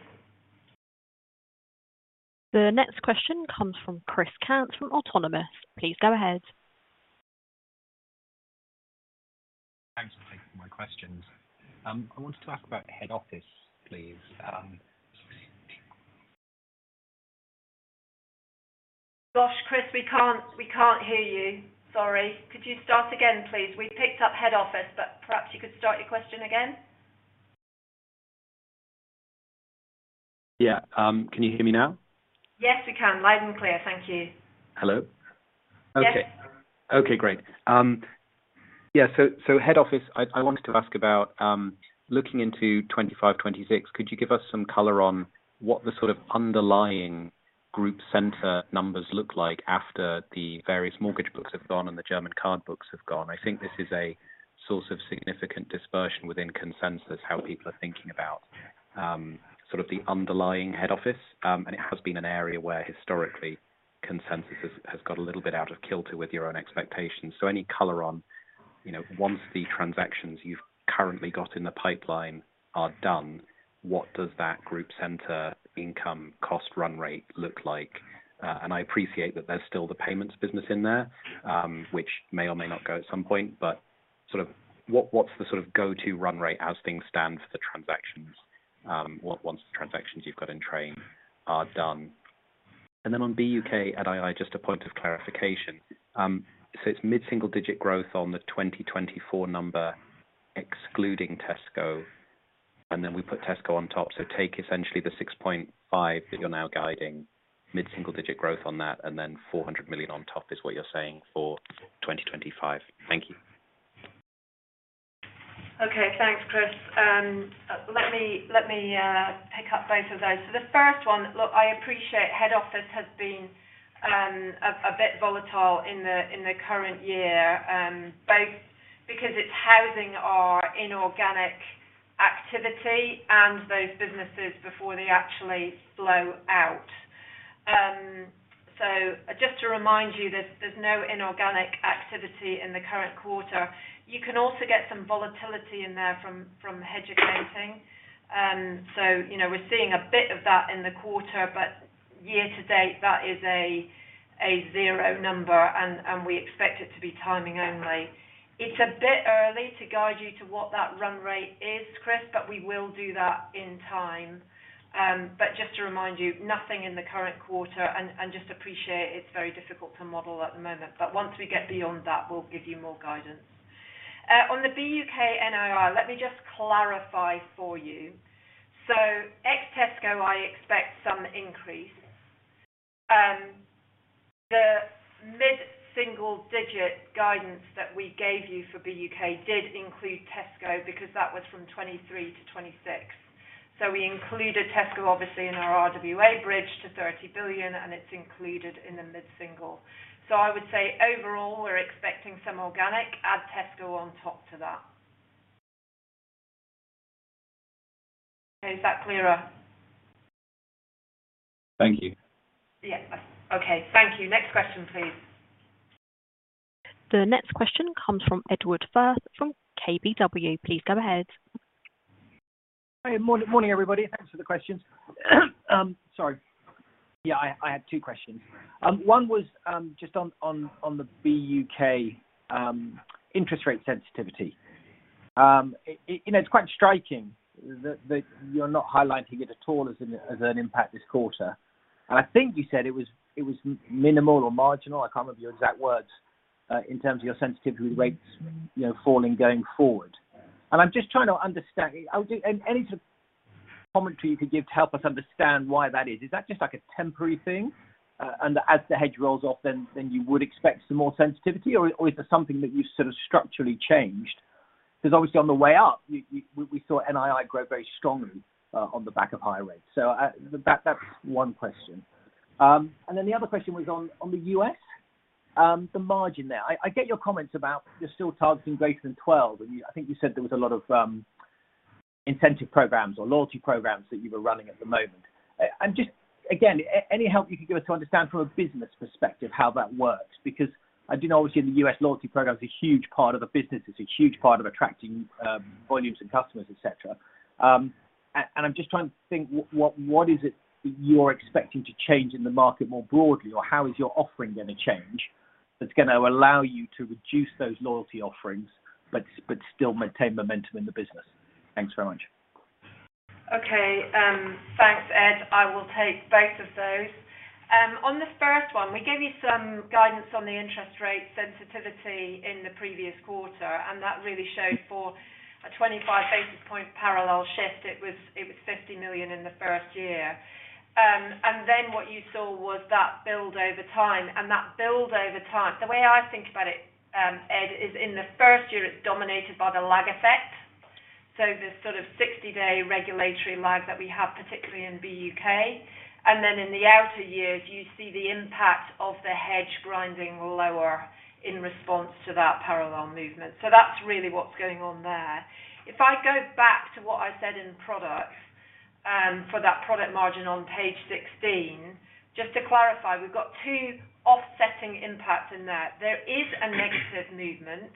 The next question comes from Chris Cant from Autonomous. Please go ahead. Thanks for taking my questions. I wanted to ask about Head Office, please. Gosh, Chris, we can't, we can't hear you. Sorry. Could you start again, please? We picked up Head Office, but perhaps you could start your question again. Yeah, can you hear me now? Yes, we can. Loud and clear. Thank you. Hello? Yes. Okay. Okay, great. So Head Office, I wanted to ask about looking into twenty five, twenty-six. Could you give us some color on what the sort of underlying group center numbers look like after the various mortgage books have gone and the German card books have gone? I think this is a source of significant dispersion within consensus, how people are thinking about sort of the underlying Head Office. And it has been an area where historically, consensus has got a little bit out of kilter with your own expectations. So any color on that? You know, once the transactions you've currently got in the pipeline are done, what does that group center income cost run rate look like? And I appreciate that there's still the payments business in there, which may or may not go at some point, but sort of what, what's the sort of go-to run rate as things stand for the transactions, once the transactions you've got in train are done? And then on BUK and II, just a point of clarification. So it's mid-single-digit growth on the 2024 number, excluding Tesco, and then we put Tesco on top. So take essentially the £6.5 that you're now guiding, mid-single-digit growth on that, and then £400 million on top is what you're saying for 2025. Thank you. Okay. Thanks, Chris. Let me pick up both of those. So the first one, look, I appreciate Head Office has been a bit volatile in the current year, both because it's housing our inorganic activity and those businesses before they actually flow out. So just to remind you, there's no inorganic activity in the current quarter. You can also get some volatility in there from hedging. So, you know, we're seeing a bit of that in the quarter, but year to date, that is a zero number, and we expect it to be timing only. It's a bit early to guide you to what that run rate is, Chris, but we will do that in time. But just to remind you, nothing in the current quarter and just appreciate it's very difficult to model at the moment. But once we get beyond that, we'll give you more guidance. On the BUK NII, let me just clarify for you. So ex Tesco, I expect some increase. The mid-single digit guidance that we gave you for BUK did include Tesco, because that was from 2023 to 2026. So we included Tesco, obviously, in our RWA bridge to 30 billion, and it's included in the mid-single. So I would say overall, we're expecting some organic, add Tesco on top to that. Okay, is that clearer? Thank you. Yeah. Okay. Thank you. Next question, please. The next question comes from Edward Firth from KBW. Please go ahead. Hi, morning, morning, everybody. Thanks for the questions. Sorry. Yeah, I had two questions. One was just on the BUK interest rate sensitivity. You know, it's quite striking that you're not highlighting it at all as an impact this quarter. And I think you said it was minimal or marginal, I can't remember your exact words, in terms of your sensitivity to rates falling going forward. And I'm just trying to understand any sort of commentary you could give to help us understand why that is. Is that just like a temporary thing? And as the hedge rolls off, then you would expect some more sensitivity, or is there something that you've sort of structurally changed? Because obviously, on the way up, we saw NII grow very strongly on the back of high rates. So, that that's one question. And then the other question was on the US, the margin there. I get your comments about you're still targeting greater than 12, and you I think you said there was a lot of incentive programs or loyalty programs that you were running at the moment. I'm just again, any help you can give us to understand from a business perspective how that works, because I do know obviously in the US, loyalty program is a huge part of the business. It's a huge part of attracting volumes and customers, et cetera. I'm just trying to think what is it you're expecting to change in the market more broadly, or how is your offering going to change, that's going to allow you to reduce those loyalty offerings, but still maintain momentum in the business? Thanks very much. Okay, thanks, Ed. I will take both of those. On the first one, we gave you some guidance on the interest rate sensitivity in the previous quarter, and that really showed for a 25 basis points parallel shift. It was 50 million in the first year. And then what you saw was that build over time. And that build over time, the way I think about it, Ed, is in the first year, it's dominated by the lag effect. So there's sort of 60-day regulatory lag that we have, particularly in BUK. And then in the outer years, you see the impact of the hedge grinding lower in response to that parallel movement. So that's really what's going on there. If I go back to what I said in products, for that product margin on page 16, just to clarify, we've got two offsetting impacts in there. There is a negative movement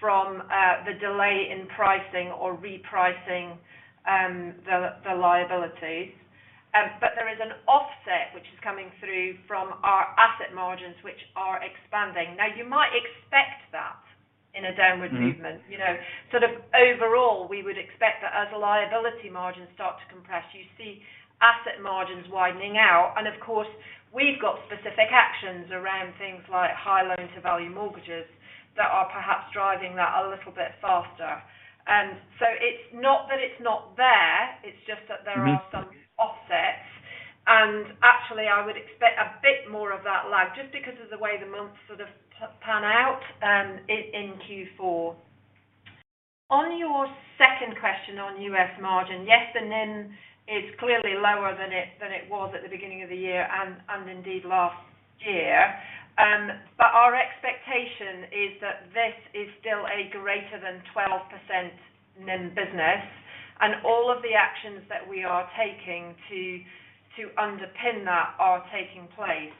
from the delay in pricing or repricing, the liabilities. But there is an offset which is coming through from our asset margins, which are expanding. Now, you might expect that in a downward movement. Mm-hmm. You know, sort of overall, we would expect that as liability margins start to compress, you see asset margins widening out. And of course, we've got specific actions around things like high loan-to-value mortgages, that are perhaps driving that a little bit faster. And so it's not that it's not there, it's just that there are- Mm-hmm... some offsets. Actually, I would expect a bit more of that lag, just because of the way the months sort of pan out in Q4. On your second question on U.S. margin, yes, the NIM is clearly lower than it was at the beginning of the year and indeed last year. But our expectation is that this is still a greater than 12% NIM business, and all of the actions that we are taking to underpin that are taking place.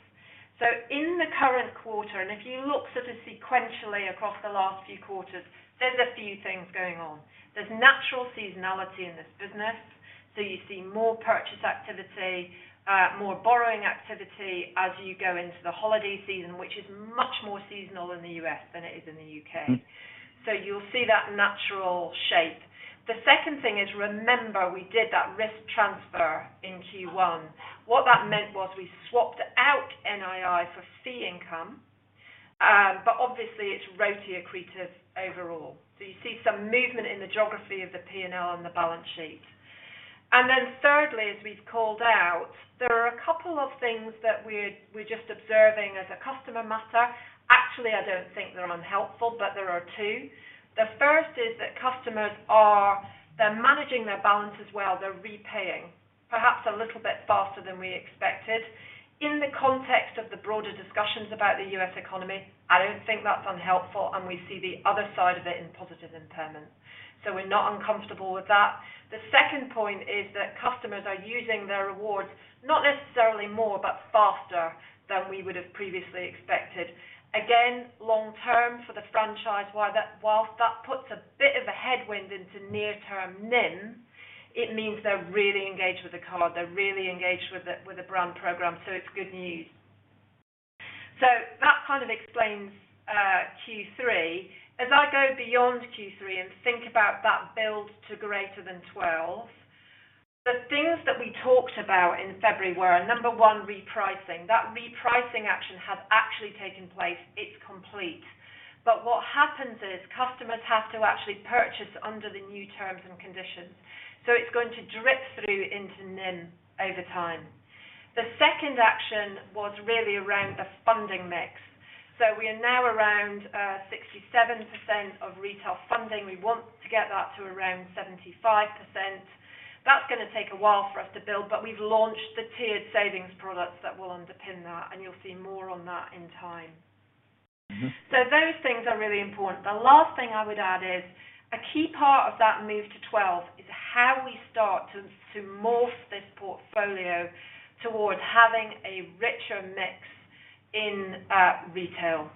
So in the current quarter, and if you look sort of sequentially across the last few quarters, there's a few things going on. There's natural seasonality in this business, so you see more purchase activity, more borrowing activity as you go into the holiday season, which is much more seasonal in the U.S. than it is in the U.K. Mm-hmm. So you'll see that natural shape. The second thing is, remember, we did that risk transfer in Q1. What that meant was we swapped out NII for fee income, but obviously it's ROTE accretive overall. So you see some movement in the geography of the P&L and the balance sheet. And then thirdly, as we've called out, there are a couple of things that we're just observing as a customer matter. Actually, I don't think they're unhelpful, but there are two. The first is that customers are. They're managing their balances well, they're repaying, perhaps a little bit faster than we expected. In the context of the broader discussions about the U.S. economy, I don't think that's unhelpful, and we see the other side of it in positive impairments. So we're not uncomfortable with that. The second point is that customers are using their rewards, not necessarily more, but faster than we would have previously expected. Again, long term for the franchise, why that, whilst that puts a bit of a headwind into near-term NIM, it means they're really engaged with the card, they're really engaged with the brand program, so it's good news. So that kind of explains Q3. As I go beyond Q3 and think about that build to greater than twelve, the things that we talked about in February were, number one, repricing. That repricing action has actually taken place. It's complete. But what happens is customers have to actually purchase under the new terms and conditions, so it's going to drip through into NIM over time. The second action was really around the funding mix. So we are now around 67% of retail funding. We want to get that to around 75%. That's gonna take a while for us to build, but we've launched the tiered savings products that will underpin that, and you'll see more on that in time. Mm-hmm. Those things are really important. The last thing I would add is, a key part of that move to 12 is how we start to morph this portfolio towards having a richer mix in retail.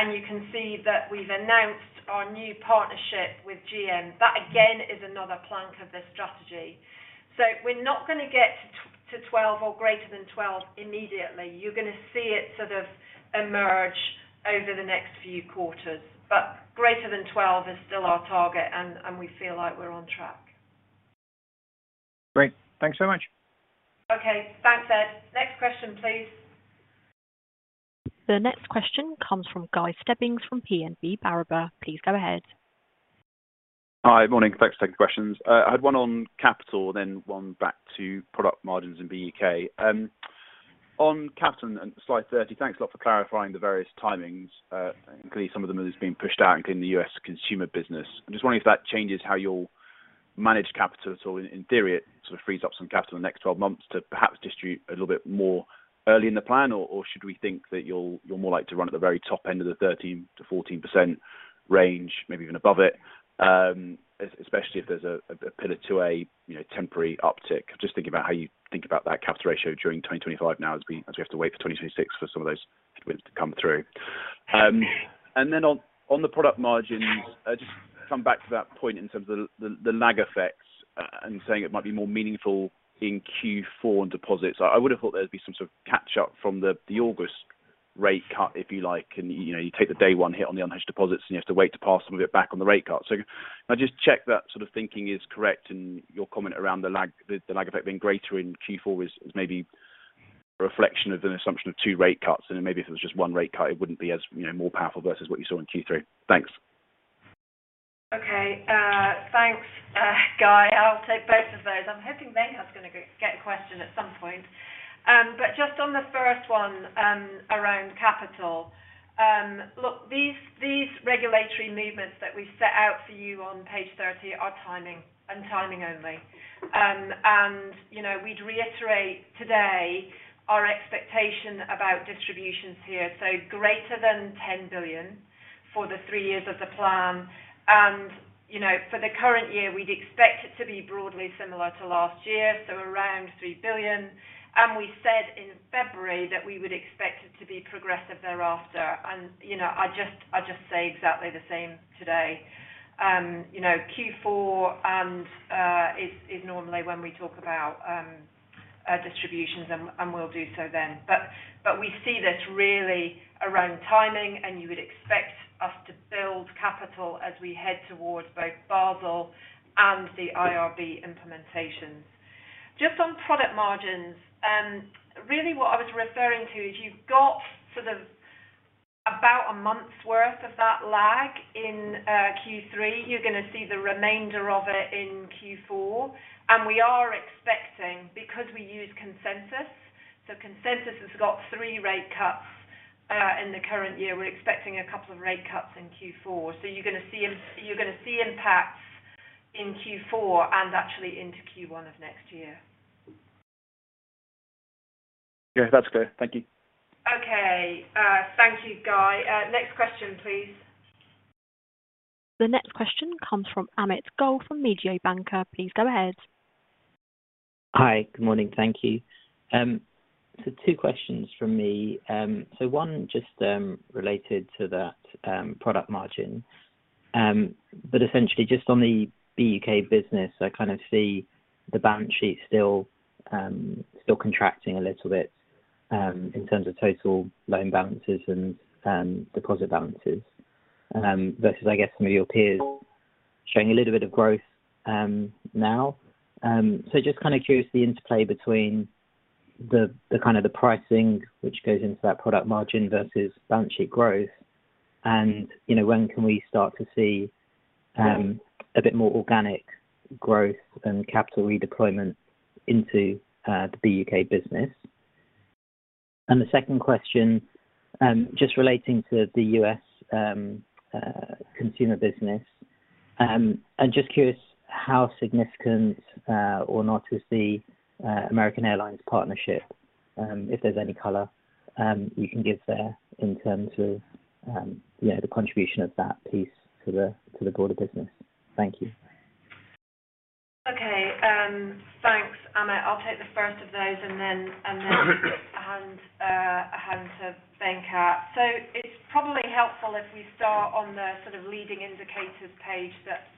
You can see that we've announced our new partnership with GM. That, again, is another plank of this strategy. We're not gonna get to to 12 or greater than 12 immediately. You're gonna see it sort of emerge over the next few quarters. Greater than 12 is still our target, and we feel like we're on track. Great. Thanks so much. Okay, thanks, Ed. Next question, please. The next question comes from Guy Stebbings, from BNP Paribas. Please go ahead. Hi, morning. Thanks for taking the questions. I had one on capital, then one back to product margins in the U.K. On capital and slide 30, thanks a lot for clarifying the various timings, including some of them as being pushed out in the U.S. consumer business. I'm just wondering if that changes how you'll manage capital. So in theory, it sort of frees up some capital in the next 12 months to perhaps distribute a little bit more early in the plan, or should we think that you'll more like to run at the very top end of the 13%-14% range, maybe even above it, especially if there's a Pillar 2A, you know, temporary uptick? Just thinking about how you think about that capital ratio during 2025 now, as we have to wait for 2026 for some of those wins to come through, and then on the product margins, just come back to that point in terms of the lag effects, and saying it might be more meaningful in Q4 in deposits. I would have thought there'd be some sort of catch up from the August rate cut, if you like, and, you know, you take the day one hit on the unhedged deposits, and you have to wait to pass some of it back on the rate cut. Can I just check that sort of thinking is correct, and your comment around the lag, the lag effect being greater in Q4 is maybe a reflection of an assumption of two rate cuts, and then maybe if it was just one rate cut, it wouldn't be as, you know, more powerful versus what you saw in Q3. Thanks. Okay, thanks, Guy. I'll take both of those. I'm hoping Miriam is gonna get a question at some point. But just on the first one, around capital. Look, these regulatory movements that we set out for you on page 30 are timing and timing only. And, you know, we'd reiterate today our expectation about distributions here, so greater than 10 billion for the 3 years of the plan. And, you know, for the current year, we'd expect it to be broadly similar to last year, so around 3 billion. And we said in February that we would expect it to be progressive thereafter, and, you know, I just say exactly the same today. You know, Q4 is normally when we talk about distributions and we'll do so then. But we see this really around timing, and you would expect us to build capital as we head towards both Basel and the IRB implementations. Just on product margins, really what I was referring to is you've got sort of about a month's worth of that lag in Q3. You're gonna see the remainder of it in Q4, and we are expecting, because we use consensus, so consensus has got three rate cuts in the current year. We're expecting a couple of rate cuts in Q4. So you're gonna see impacts in Q4 and actually into Q1 of next year. Yeah, that's clear. Thank you. Okay, thank you, Guy. Next question, please.... The next question comes from Amit Goel from Mediobanca. Please go ahead. Hi, good morning. Thank you. Two questions from me. One just related to that product margin. But essentially just on the BUK business, I kind of see the balance sheet still contracting a little bit in terms of total loan balances and deposit balances. Versus I guess some of your peers showing a little bit of growth now. Just kind of curious, the interplay between the kind of pricing which goes into that product margin versus balance sheet growth, and you know, when can we start to see a bit more organic growth and capital redeployment into the BUK business, and the second question just relating to the US consumer business. I'm just curious how significant or not is the American Airlines partnership, if there's any color you can give there in terms of you know the contribution of that piece to the broader business. Thank you. Okay, thanks, Amit. I'll take the first of those and then hand to Venkat. So it's probably helpful if we start on the sort of leading indicators page that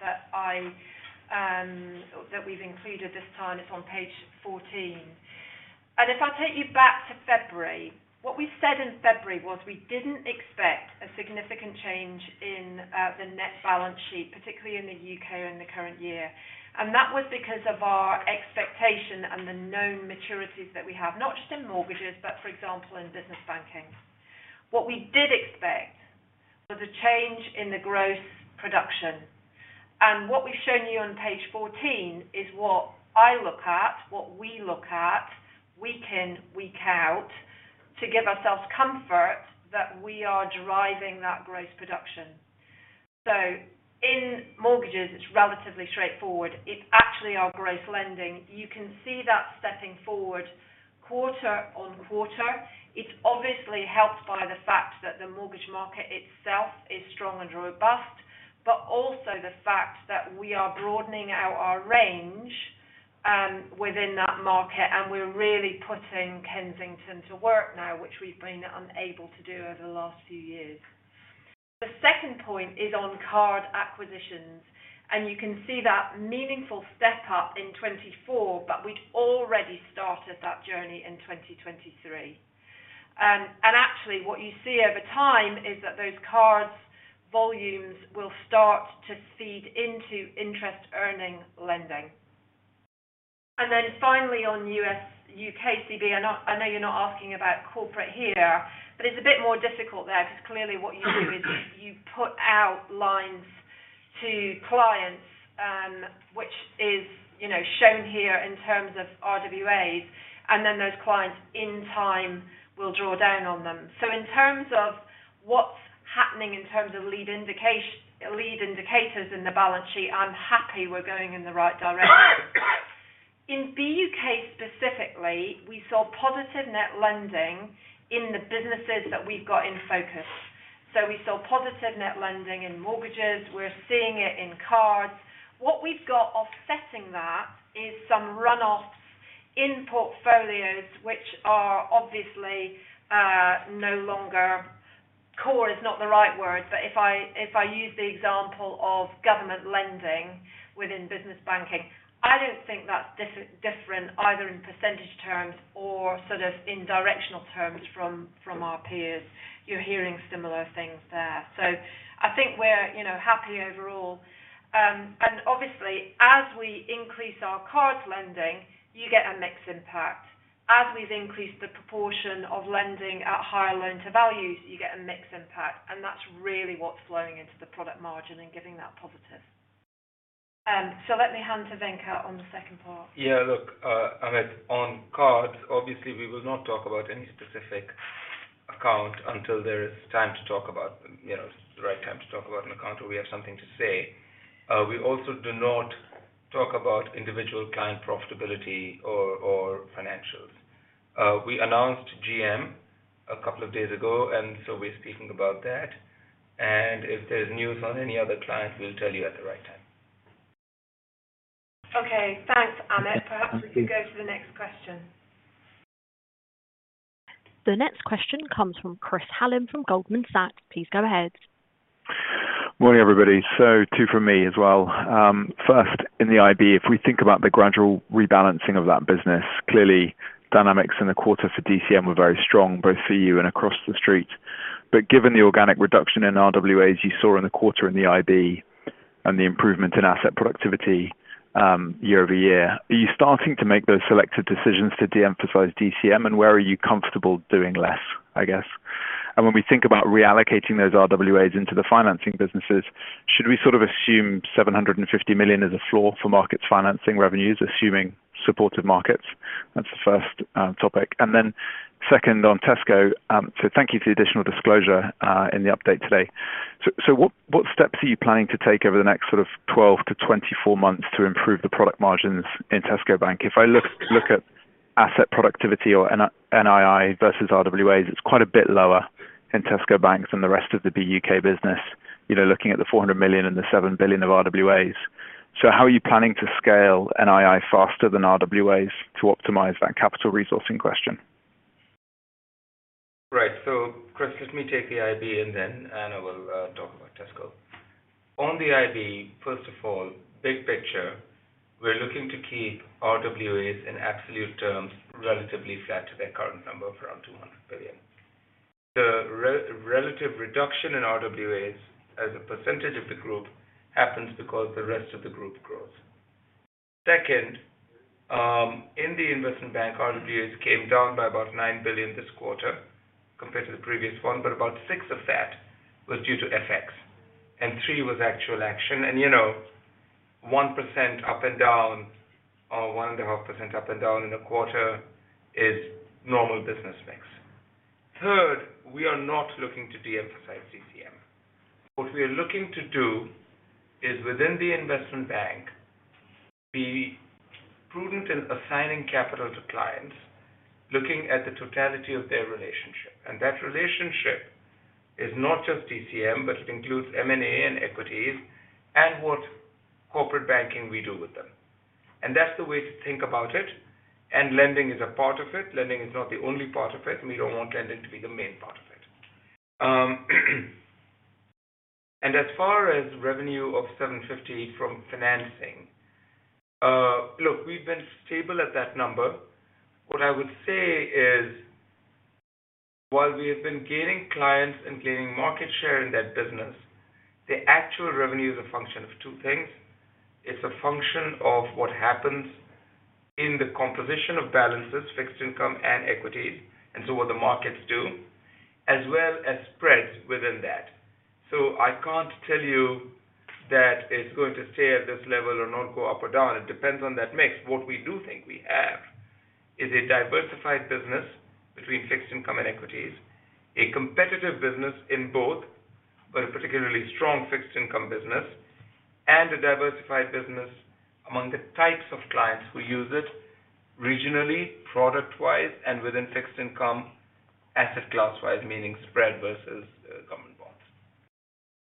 we've included this time. It's on page 14. If I take you back to February, what we said in February was we didn't expect a significant change in the net balance sheet, particularly in the UK and the current year. That was because of our expectation and the known maturities that we have, not just in mortgages, but for example, in Business Banking. What we did expect was a change in the growth production. What we've shown you on page 14 is what I look at, what we look at, week in, week out, to give ourselves comfort that we are driving that growth production. So in mortgages, it's relatively straightforward. It's actually our growth lending. You can see that stepping forward quarter on quarter. It's obviously helped by the fact that the mortgage market itself is strong and robust, but also the fact that we are broadening out our range, within that market, and we're really putting Kensington to work now, which we've been unable to do over the last few years. The second point is on card acquisitions, and you can see that meaningful step up in 2024, but we'd already started that journey in 2023, and actually, what you see over time is that those cards volumes will start to feed into interest earning lending. And then finally, on US, UK CB, I'm not. I know you're not asking about corporate here, but it's a bit more difficult there, because clearly what you do is you put out lines to clients, which is, you know, shown here in terms of RWAs, and then those clients, in time, will draw down on them. So in terms of what's happening in terms of lead indicators in the balance sheet, I'm happy we're going in the right direction. In BUK specifically, we saw positive net lending in the businesses that we've got in focus. So we saw positive net lending in mortgages. We're seeing it in cards. What we've got offsetting that is some runoffs in portfolios, which are obviously no longer core. Core is not the right word, but if I use the example of government lending within Business Banking, I don't think that's different either in percentage terms or sort of in directional terms from our peers. You're hearing similar things there. So I think we're, you know, happy overall. And obviously, as we increase our card lending, you get a mixed impact. As we've increased the proportion of lending at higher loan-to-value, you get a mixed impact, and that's really what's flowing into the product margin and giving that positive. So let me hand to Venkat on the second part. Yeah, look, Amit, on cards, obviously, we will not talk about any specific account until there is time to talk about, you know, the right time to talk about an account or we have something to say. We also do not talk about individual client profitability or financials. We announced GM a couple of days ago, and so we're speaking about that. And if there's news on any other client, we'll tell you at the right time. Okay. Thanks, Amit. Perhaps we can go to the next question. The next question comes from Chris Hallam, from Goldman Sachs. Please go ahead. Morning, everybody. So two from me as well. First, in the IB, if we think about the gradual rebalancing of that business, clearly dynamics in the quarter for DCM were very strong, both for you and across the street. But given the organic reduction in RWAs you saw in the quarter in the IB and the improvement in asset productivity, year over year, are you starting to make those selected decisions to deemphasize DCM? And where are you comfortable doing less, I guess? And when we think about reallocating those RWAs into the financing businesses, should we sort of assume 750 million is a floor for markets financing revenues, assuming supported markets? That's the first topic. And then second on Tesco, so thank you for the additional disclosure in the update today. What steps are you planning to take over the next sort of 12 to 24 months to improve the product margins in Tesco Bank? If I look at-... asset productivity or NII versus RWAs, it's quite a bit lower in Tesco Bank than the rest of the UK business, you know, looking at the £400 million and the £7 billion of RWAs. So how are you planning to scale NII faster than RWAs to optimize that capital resourcing question? Right. So, Chris, let me take the IB and then Anna will talk about Tesco. On the IB, first of all, big picture, we're looking to keep RWAs in absolute terms, relatively flat to their current number of around 200 billion. The relative reduction in RWAs as a percentage of the group happens because the rest of the group grows. Second, in the Investment Bank, RWAs came down by about 9 billion this quarter compared to the previous one, but about 6 of that was due to FX, and 3 was actual action. And, you know, 1% up and down, or 1.5% up and down in a quarter is normal business mix. Third, we are not looking to de-emphasize DCM. What we are looking to do is, within the Investment Bank, be prudent in assigning capital to clients, looking at the totality of their relationship. And that relationship is not just DCM, but it includes M&A and equities and what corporate banking we do with them. And that's the way to think about it, and lending is a part of it. Lending is not the only part of it, and we don't want lending to be the main part of it. And as far as revenue of 750 from financing, look, we've been stable at that number. What I would say is, while we have been gaining clients and gaining market share in that business, the actual revenue is a function of two things. It's a function of what happens in the composition of balances, fixed income and equities, and so what the markets do, as well as spreads within that. So I can't tell you that it's going to stay at this level or not go up or down. It depends on that mix. What we do think we have is a diversified business between fixed income and equities, a competitive business in both, but a particularly strong fixed income business, and a diversified business among the types of clients who use it regionally, product-wise, and within fixed income, asset class-wise, meaning spread versus common bonds.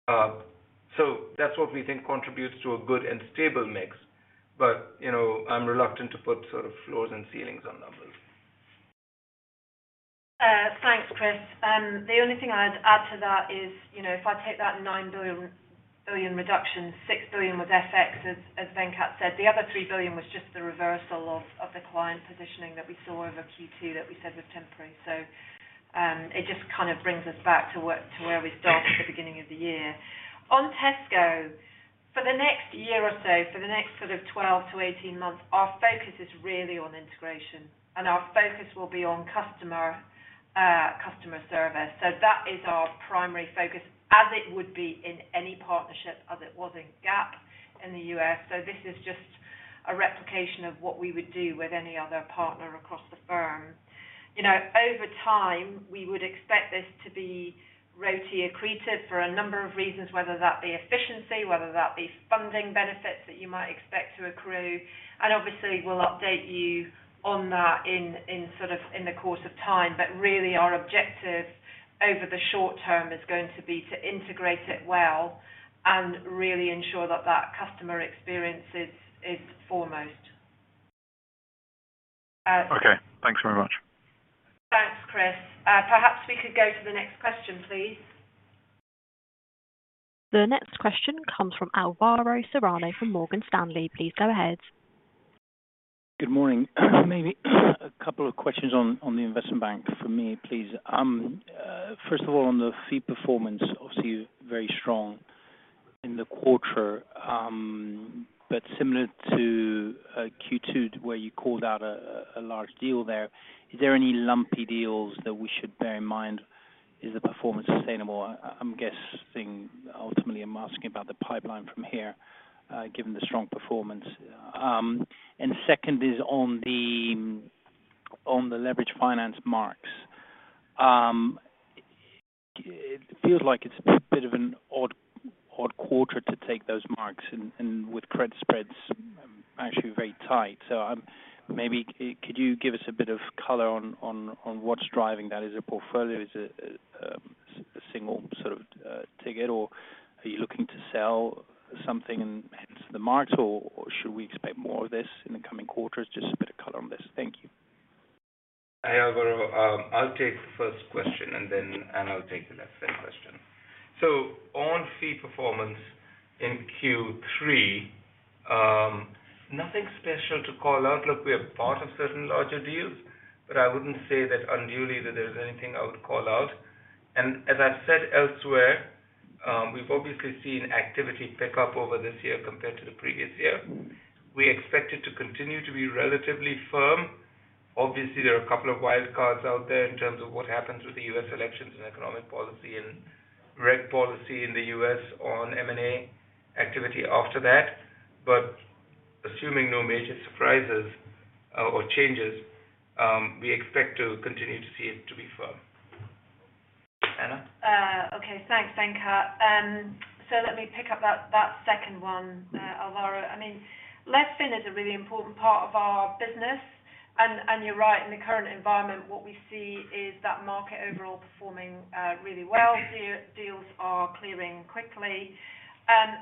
So that's what we think contributes to a good and stable mix. But, you know, I'm reluctant to put sort of floors and ceilings on numbers. Thanks, Chris. The only thing I'd add to that is, you know, if I take that 9 billion reduction, 6 billion was FX, as Venkat said, the other 3 billion was just the reversal of the client positioning that we saw over Q2 that we said was temporary. So, it just kind of brings us back to what- to where we started at the beginning of the year. On Tesco, for the next year or so, for the next sort of 12 to 18 months, our focus is really on integration, and our focus will be on customer service. So that is our primary focus, as it would be in any partnership, as it was in Gap in the U.S. So this is just a replication of what we would do with any other partner across the firm. You know, over time, we would expect this to be ROTE accretive for a number of reasons, whether that be efficiency, whether that be funding benefits that you might expect to accrue. And obviously, we'll update you on that in sort of, in the course of time. But really, our objective over the short term is going to be to integrate it well and really ensure that that customer experience is foremost. Okay, thanks very much. Thanks, Chris. Perhaps we could go to the next question, please. The next question comes from Alvaro Serrano from Morgan Stanley. Please go ahead. Good morning. Maybe a couple of questions on the Investment Bank for me, please. First of all, on the fee performance, obviously very strong in the quarter, but similar to Q2, where you called out a large deal there, is there any lumpy deals that we should bear in mind? Is the performance sustainable? I'm guessing ultimately I'm asking about the pipeline from here, given the strong performance. Second is on the leveraged finance marks. It feels like it's a bit of an odd quarter to take those marks and with credit spreads actually very tight, so maybe could you give us a bit of color on what's driving that? Is it a portfolio? Is it a single sort of ticket, or are you looking to sell something and hence the marks, or should we expect more of this in the coming quarters? Just a bit of color on this. Thank you. Hi, Alvaro. I'll take the first question, and then I'll take the second question. So on fee performance in Q3, nothing special to call out. Look, we are part of certain larger deals, but I wouldn't say that unduly, that there's anything I would call out. And as I've said elsewhere, we've obviously seen activity pick up over this year compared to the previous year. We expect it to continue to be relatively firm. Obviously, there are a couple of wild cards out there in terms of what happens with the U.S. elections and economic policy and reg policy in the U.S. on M&A activity after that. But assuming no major surprises, or changes, we expect to continue to see it to be firm.... Okay, thanks, Venkat. So let me pick up that second one, Alvaro. I mean, lease finance is a really important part of our business, and you're right, in the current environment, what we see is that market overall performing really well. Deals are clearing quickly.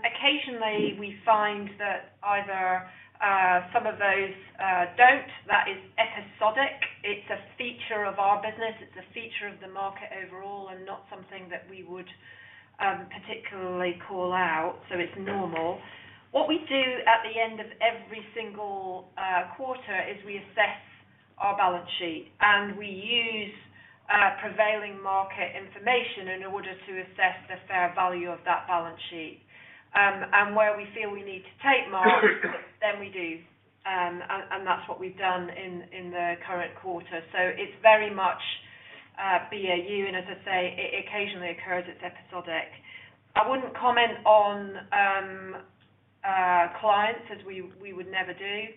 Occasionally, we find that either some of those don't. That is episodic. It's a feature of our business, it's a feature of the market overall, and not something that we would particularly call out, so it's normal. What we do at the end of every single quarter is we assess our balance sheet, and we use prevailing market information in order to assess the fair value of that balance sheet. And where we feel we need to take marks, then we do. That's what we've done in the current quarter. So it's very much BAU, and as I say, it occasionally occurs. It's episodic. I wouldn't comment on clients, as we would never do.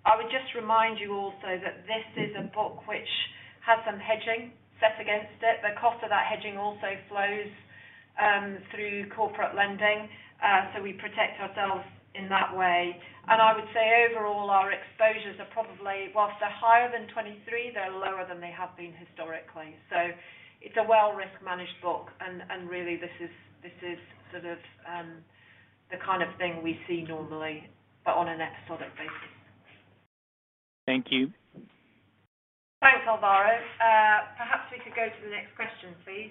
I would just remind you also that this is a book which has some hedging set against it. The cost of that hedging also flows through corporate lending, so we protect ourselves in that way. And I would say overall, our exposures are probably, while they're higher than twenty-three, they're lower than they have been historically. So it's a well-risk managed book, and really, this is sort of the kind of thing we see normally, but on an episodic basis. Thank you. Thanks, Alvaro. Perhaps we could go to the next question, please.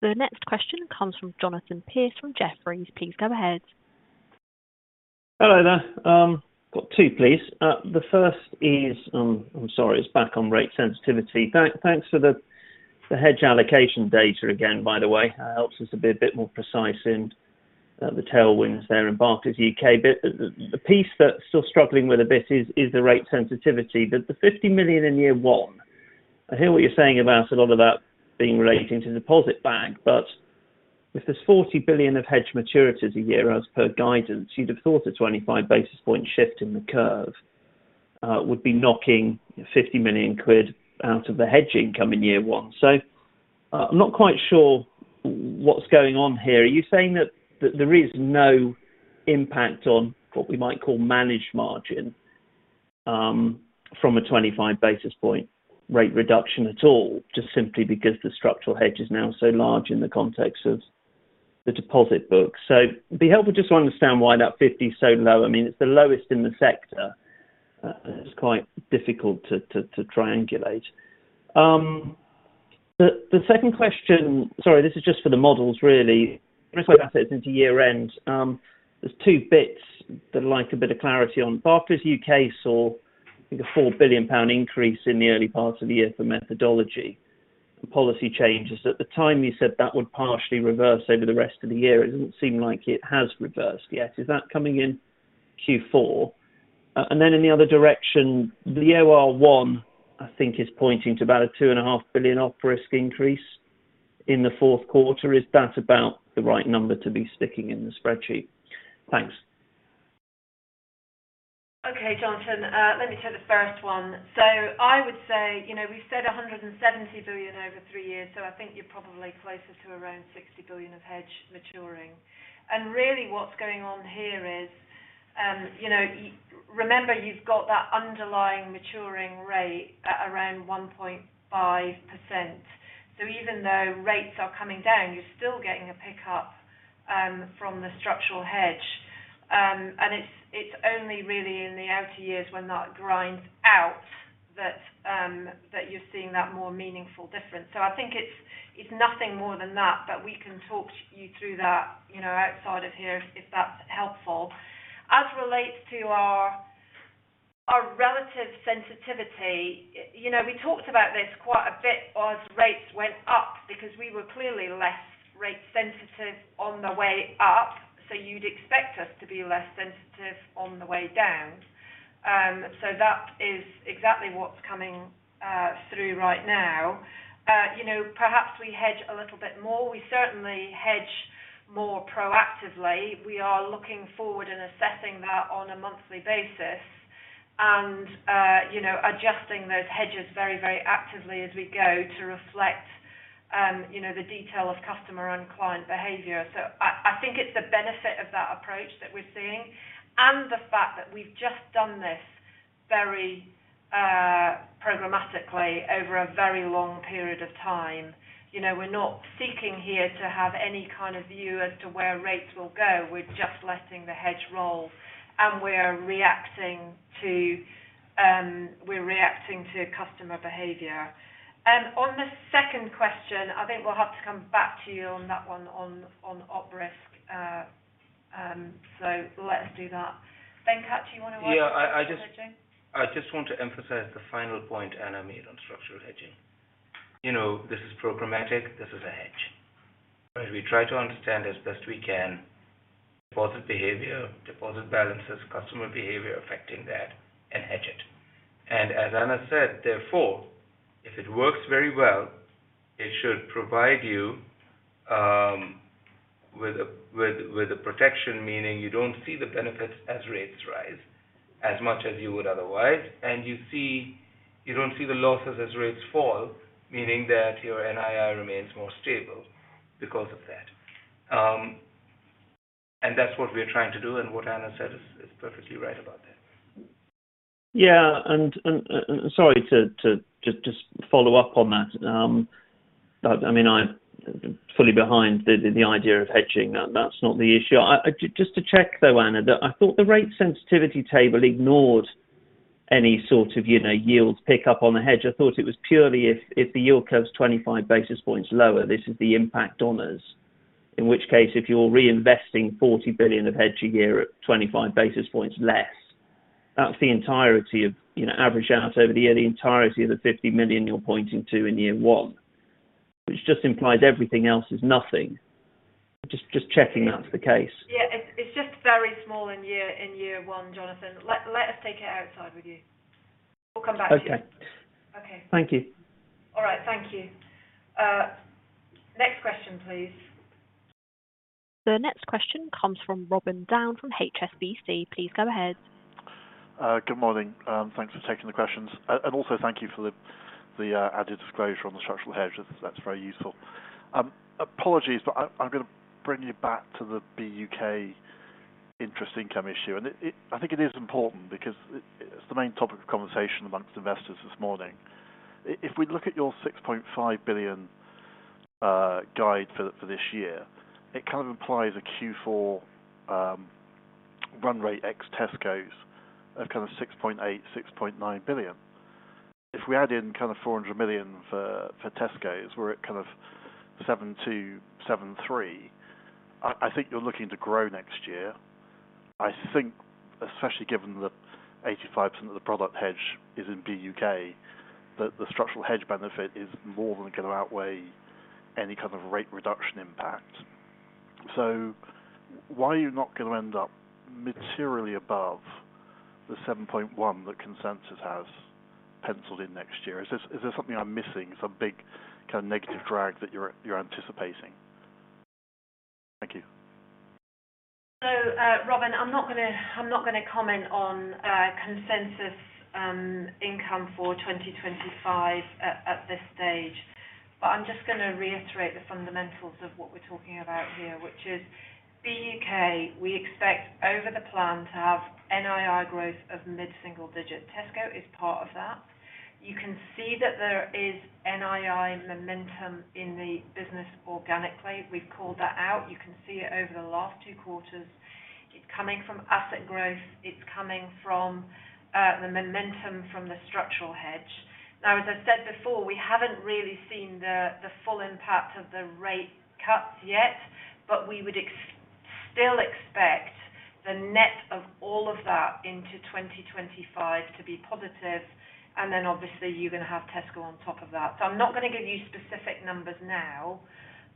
The next question comes from Jonathan Pierce from Jefferies. Please go ahead. Hello there. Got two, please. The first is, I'm sorry, it's back on rate sensitivity. Thanks for the hedge allocation data again, by the way. That helps us to be a bit more precise in the tailwinds there in Barclays UK. But the piece that's still struggling with a bit is the rate sensitivity. The 50 million in year one, I hear what you're saying about a lot of that being relating to deposit beta. But if there's 40 billion of hedge maturities a year as per guidance, you'd have thought a 25 basis point shift in the curve would be knocking 50 million quid out of the hedge income in year one. So, I'm not quite sure what's going on here. Are you saying that there is no impact on what we might call managed margin from a 25 basis point rate reduction at all, just simply because the structural hedge is now so large in the context of the deposit book? So it'd be helpful just to understand why that 50 is so low. I mean, it's the lowest in the sector. It's quite difficult to triangulate. The second question... Sorry, this is just for the models, really. Into year-end, there's two bits that I'd like a bit of clarity on. Barclays UK saw, I think, a 4 billion pound increase in the early parts of the year for methodology and policy changes. At the time, you said that would partially reverse over the rest of the year. It doesn't seem like it has reversed yet. Is that coming in Q4? And then in the other direction, the OR one, I think, is pointing to about a 2.5 billion op risk increase in the fourth quarter. Is that about the right number to be sticking in the spreadsheet? Thanks. Okay, Jonathan, let me take the first one. So I would say, you know, we said 170 billion over three years, so I think you're probably closer to around 60 billion of hedge maturing. And really, what's going on here is, you know, remember, you've got that underlying maturing rate at around 1.5%. So even though rates are coming down, you're still getting a pickup from the structural hedge. And it's only really in the outer years when that grinds out that you're seeing that more meaningful difference. So I think it's nothing more than that, but we can talk you through that, you know, outside of here, if that's helpful. As relates to our relative sensitivity, you know, we talked about this quite a bit as rates went up because we were clearly less rate sensitive on the way up, so you'd expect us to be less sensitive on the way down. So that is exactly what's coming through right now. You know, perhaps we hedge a little bit more. We certainly hedge more proactively. We are looking forward and assessing that on a monthly basis and, you know, adjusting those hedges very, very actively as we go to reflect, you know, the detail of customer and client behavior. So I think it's the benefit of that approach that we're seeing and the fact that we've just done this very programmatically over a very long period of time. You know, we're not seeking here to have any kind of view as to where rates will go. We're just letting the hedge roll, and we're reacting to customer behavior. On the second question, I think we'll have to come back to you on that one, on op risk. So let's do that. Venkat, do you want to- Yeah, I just- Hedging. I just want to emphasize the final point Anna made on structural hedging. You know, this is programmatic, this is a hedge. As we try to understand as best we can, deposit behavior, deposit balances, customer behavior affecting that and hedge it. As Anna said, therefore, if it works very well, it should provide you, ...with a protection, meaning you don't see the benefits as rates rise as much as you would otherwise. And you see, you don't see the losses as rates fall, meaning that your NII remains more stable because of that. And that's what we are trying to do, and what Anna said is perfectly right about that. Yeah, and sorry to just follow up on that. But I mean, I'm fully behind the idea of hedging. That's not the issue. Just to check, though, Anna, that I thought the rate sensitivity table ignored any sort of, you know, yields pick up on the hedge. I thought it was purely if the yield curve's 25 basis points lower, this is the impact on us. In which case, if you're reinvesting 40 billion of hedge a year at 25 basis points less, that's the entirety of, you know, average out over the year, the entirety of the 50 million you're pointing to in year one. Which just implies everything else is nothing. Just checking that's the case. Yeah, it's just very small in year one, Jonathan. Let us take it outside with you. We'll come back to you. Okay. Okay. Thank you. All right, thank you. Next question, please. The next question comes from Robin Down from HSBC. Please go ahead. Good morning. Thanks for taking the questions. And also thank you for the added disclosure on the structural hedge. That's very useful. Apologies, but I'm gonna bring you back to the BUK interest income issue. And it, I think it is important because it's the main topic of conversation among investors this morning. If we look at your 6.5 billion guide for this year, it kind of implies a Q4 run rate ex Tescos of kind of 6.8-6.9 billion. If we add in kind of 400 million for Tescos, we're at kind of 7.2-7.3. I think you're looking to grow next year. I think, especially given that 85% of the product hedge is in BUK, that the structural hedge benefit is more than going to outweigh any kind of rate reduction impact. So why are you not going to end up materially above the 7.1 that consensus has penciled in next year? Is this, is there something I'm missing, some big kind of negative drag that you're, you're anticipating? Thank you. So, Robin, I'm not gonna comment on consensus income for 2025 at this stage. But I'm just gonna reiterate the fundamentals of what we're talking about here, which is BUK. We expect over the plan to have NII growth of mid-single digit. Tesco is part of that. You can see that there is NII momentum in the business organically. We've called that out. You can see it over the last two quarters. It's coming from asset growth, it's coming from the momentum from the structural hedge. Now, as I said before, we haven't really seen the full impact of the rate cuts yet, but we would still expect the net of all of that into 2025 to be positive, and then obviously, you're going to have Tesco on top of that. So, I'm not going to give you specific numbers now,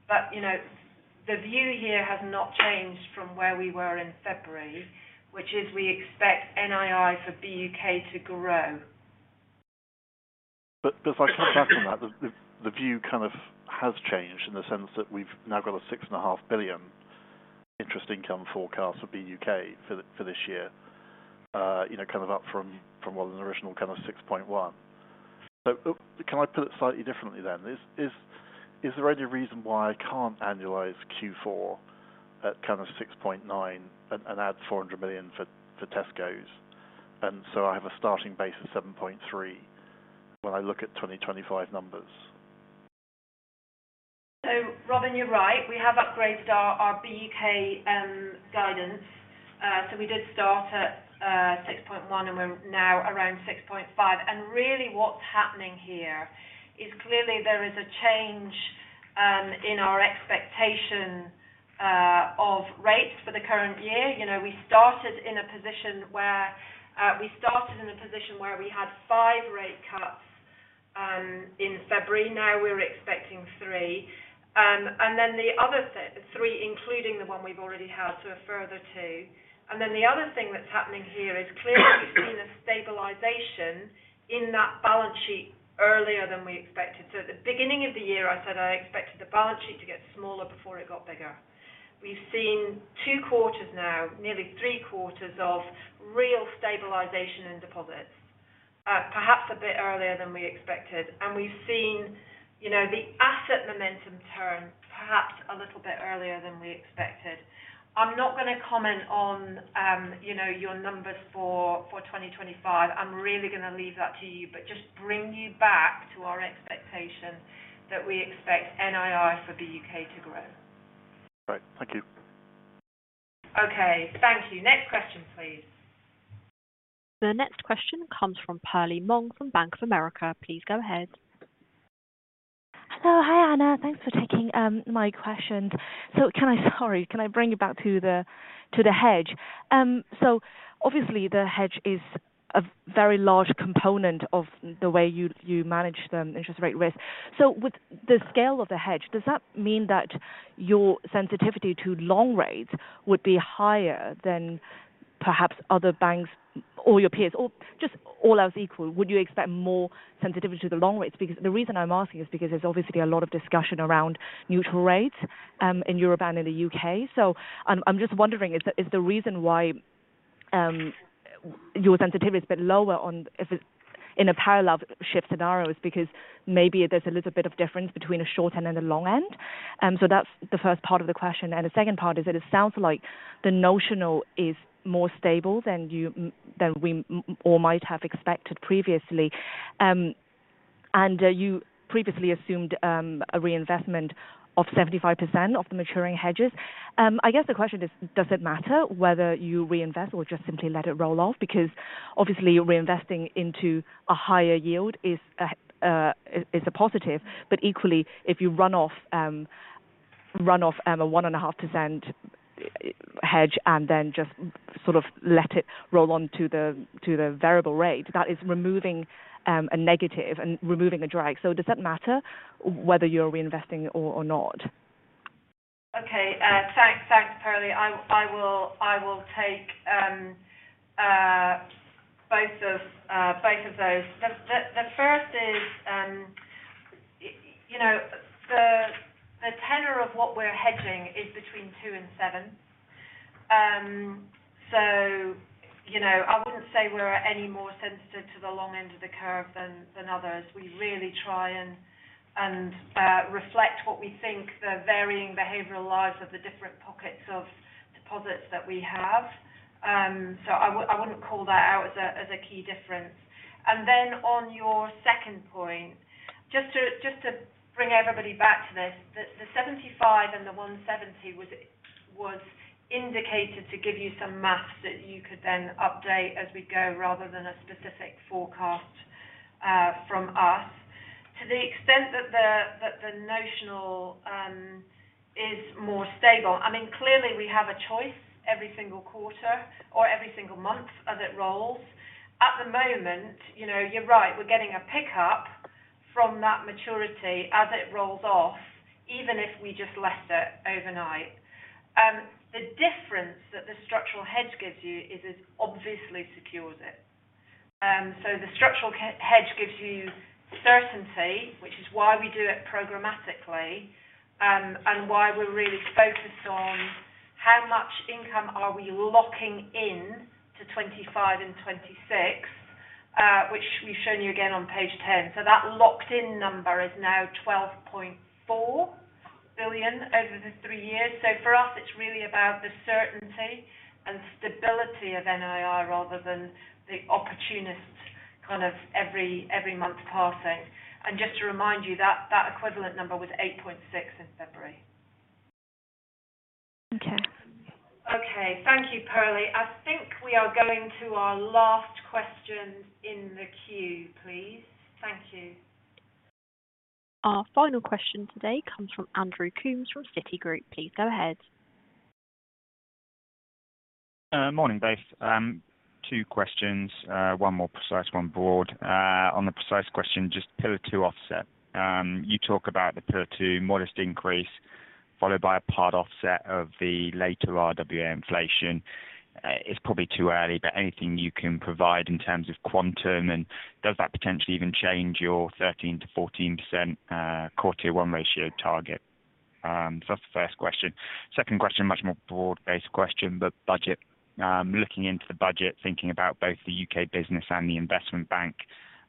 but, you know, the view here has not changed from where we were in February, which is we expect NII for BUK to grow. But as I come back on that, the view kind of has changed in the sense that we've now got a 6.5 billion interest income forecast for BUK for this year. You know, kind of up from well, an original kind of 6.1 billion. So can I put it slightly differently then? Is there any reason why I can't annualize Q4 at kind of 6.9 billion and add 400 million for Tesco's, and so I have a starting base of 7.3 billion when I look at 2025 numbers? So, Robin, you're right. We have upgraded our BUK guidance. So we did start at 6.1, and we're now around 6.5. And really, what's happening here is clearly there is a change in our expectation of rates for the current year. You know, we started in a position where we had five rate cuts in February, now we're expecting three. And then the other three, including the one we've already had, so a further two. And then the other thing that's happening here is clearly we've seen a stabilization in that balance sheet earlier than we expected. So at the beginning of the year, I said I expected the balance sheet to get smaller before it got bigger. We've seen two quarters now, nearly three quarters of real stabilization in deposits, perhaps a bit earlier than we expected. We've seen, you know, the asset momentum turn perhaps a little bit earlier than we expected. I'm not gonna comment on, you know, your numbers for twenty twenty-five. I'm really gonna leave that to you, but just bring you back to our expectation that we expect NII for BUK to grow. Right. Thank you. Okay, thank you. Next question, please. The next question comes from Perlie Mong from Bank of America. Please go ahead. So hi, Anna. Thanks for taking my question. So can I... Sorry, can I bring it back to the hedge? So obviously, the hedge is a very large component of the way you manage the interest rate risk. So with the scale of the hedge, does that mean that your sensitivity to long rates would be higher than-... perhaps other banks or your peers or just all else equal, would you expect more sensitivity to the long rates? Because the reason I'm asking is because there's obviously a lot of discussion around neutral rates in Europe and in the U.K. So I'm just wondering is the reason why your sensitivity is a bit lower on if it's in a parallel shift scenario, is because maybe there's a little bit of difference between a short end and a long end. So that's the first part of the question. And the second part is that it sounds like the notional is more stable than you, than we or might have expected previously. And you previously assumed a reinvestment of 75% of the maturing hedges. I guess the question is: Does it matter whether you reinvest or just simply let it roll off? Because obviously, reinvesting into a higher yield is a positive, but equally, if you run off a 1.5% hedge and then just sort of let it roll on to the variable rate, that is removing a negative and removing a drag. So does that matter whether you're reinvesting or not? Okay, thanks. Thanks, Perlie. I will take both of those. The first is, you know, the tenor of what we're hedging is between two and seven. So, you know, I wouldn't say we're any more sensitive to the long end of the curve than others. We really try and reflect what we think the varying behavioral lives of the different pockets of deposits that we have. So I wouldn't call that out as a key difference. And then on your second point, just to bring everybody back to this, the 75 and the 170 was indicated to give you some maths that you could then update as we go, rather than a specific forecast from us. To the extent that the notional is more stable, I mean, clearly, we have a choice every single quarter or every single month as it rolls. At the moment, you know, you're right, we're getting a pickup from that maturity as it rolls off, even if we just lend it overnight. The difference that the structural hedge gives you is it obviously secures it. So the structural hedge gives you certainty, which is why we do it programmatically, and why we're really focused on how much income are we locking in to 2025 and 2026, which we've shown you again on page 10. So that locked-in number is now 12.4 billion over the three years. So for us, it's really about the certainty and stability of NIR rather than the opportunistic, kind of every month passing. Just to remind you, that equivalent number was 8.6 in February. Okay. Okay. Thank you, Perlie. I think we are going to our last question in the queue, please. Thank you. Our final question today comes from Andrew Coombs from Citigroup. Please go ahead. Morning, both. Two questions, one more precise, one broad. On the precise question, just Pillar 2 offset. You talk about the Pillar 2 modest increase, followed by a part offset of the later RWA inflation. It's probably too early, but anything you can provide in terms of quantum, and does that potentially even change your 13%-14% core Tier 1 ratio target? So that's the first question. Second question, much more broad-based question, but budget. Looking into the budget, thinking about both the UK business and the Investment Bank,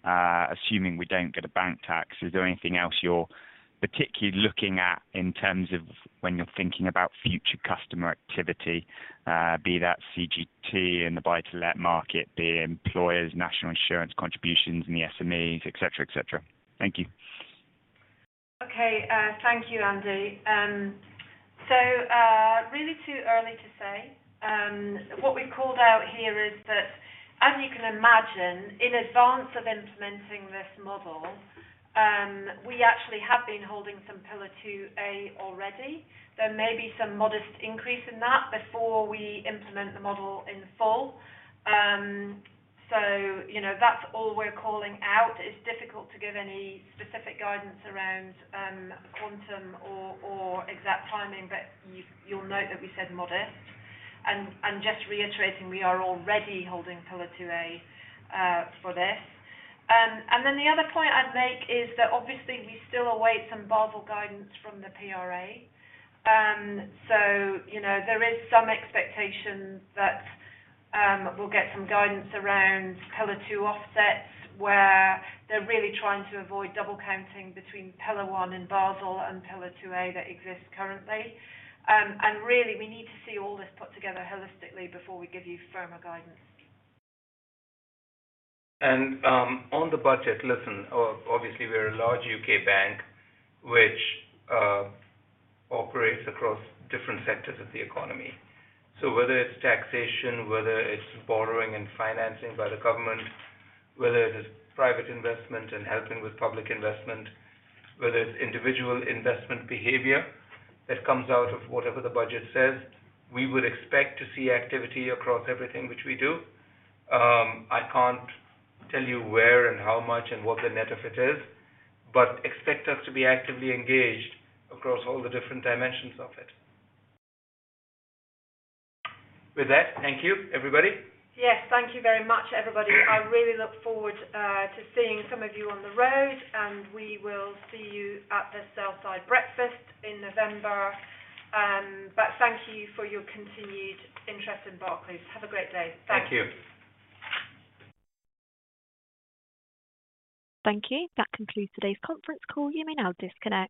assuming we don't get a bank tax, is there anything else you're particularly looking at in terms of when you're thinking about future customer activity? Be that CGT and the buy-to-let market, be it employers, national insurance contributions, and the SMEs, et cetera, et cetera. Thank you. Okay, thank you, Andy. So, really too early to say. What we called out here is that, as you can imagine, in advance of implementing this model, we actually have been holding some Pillar 2A already. There may be some modest increase in that before we implement the model in full. So you know, that's all we're calling out. It's difficult to give any specific guidance around quantum or exact timing, but you'll note that we said modest. And just reiterating, we are already holding Pillar 2A for this. And then the other point I'd make is that obviously we still await some Basel guidance from the PRA. So, you know, there is some expectation that we'll get some guidance around Pillar 2 offsets, where they're really trying to avoid double counting between Pillar 1 and Basel and Pillar 2A that exists currently. And really, we need to see all this put together holistically before we give you firmer guidance. On the budget, listen, obviously, we're a large UK bank which operates across different sectors of the economy. So whether it's taxation, whether it's borrowing and financing by the government, whether it is private investment and helping with public investment, whether it's individual investment behavior that comes out of whatever the budget says, we would expect to see activity across everything which we do. I can't tell you where and how much and what the net of it is, but expect us to be actively engaged across all the different dimensions of it. With that, thank you, everybody. Yes, thank you very much, everybody. I really look forward to seeing some of you on the road, and we will see you at the Sell-side Breakfast in November, but thank you for your continued interest in Barclays. Have a great day. Bye. Thank you. Thank you. That concludes today's conference call. You may now disconnect.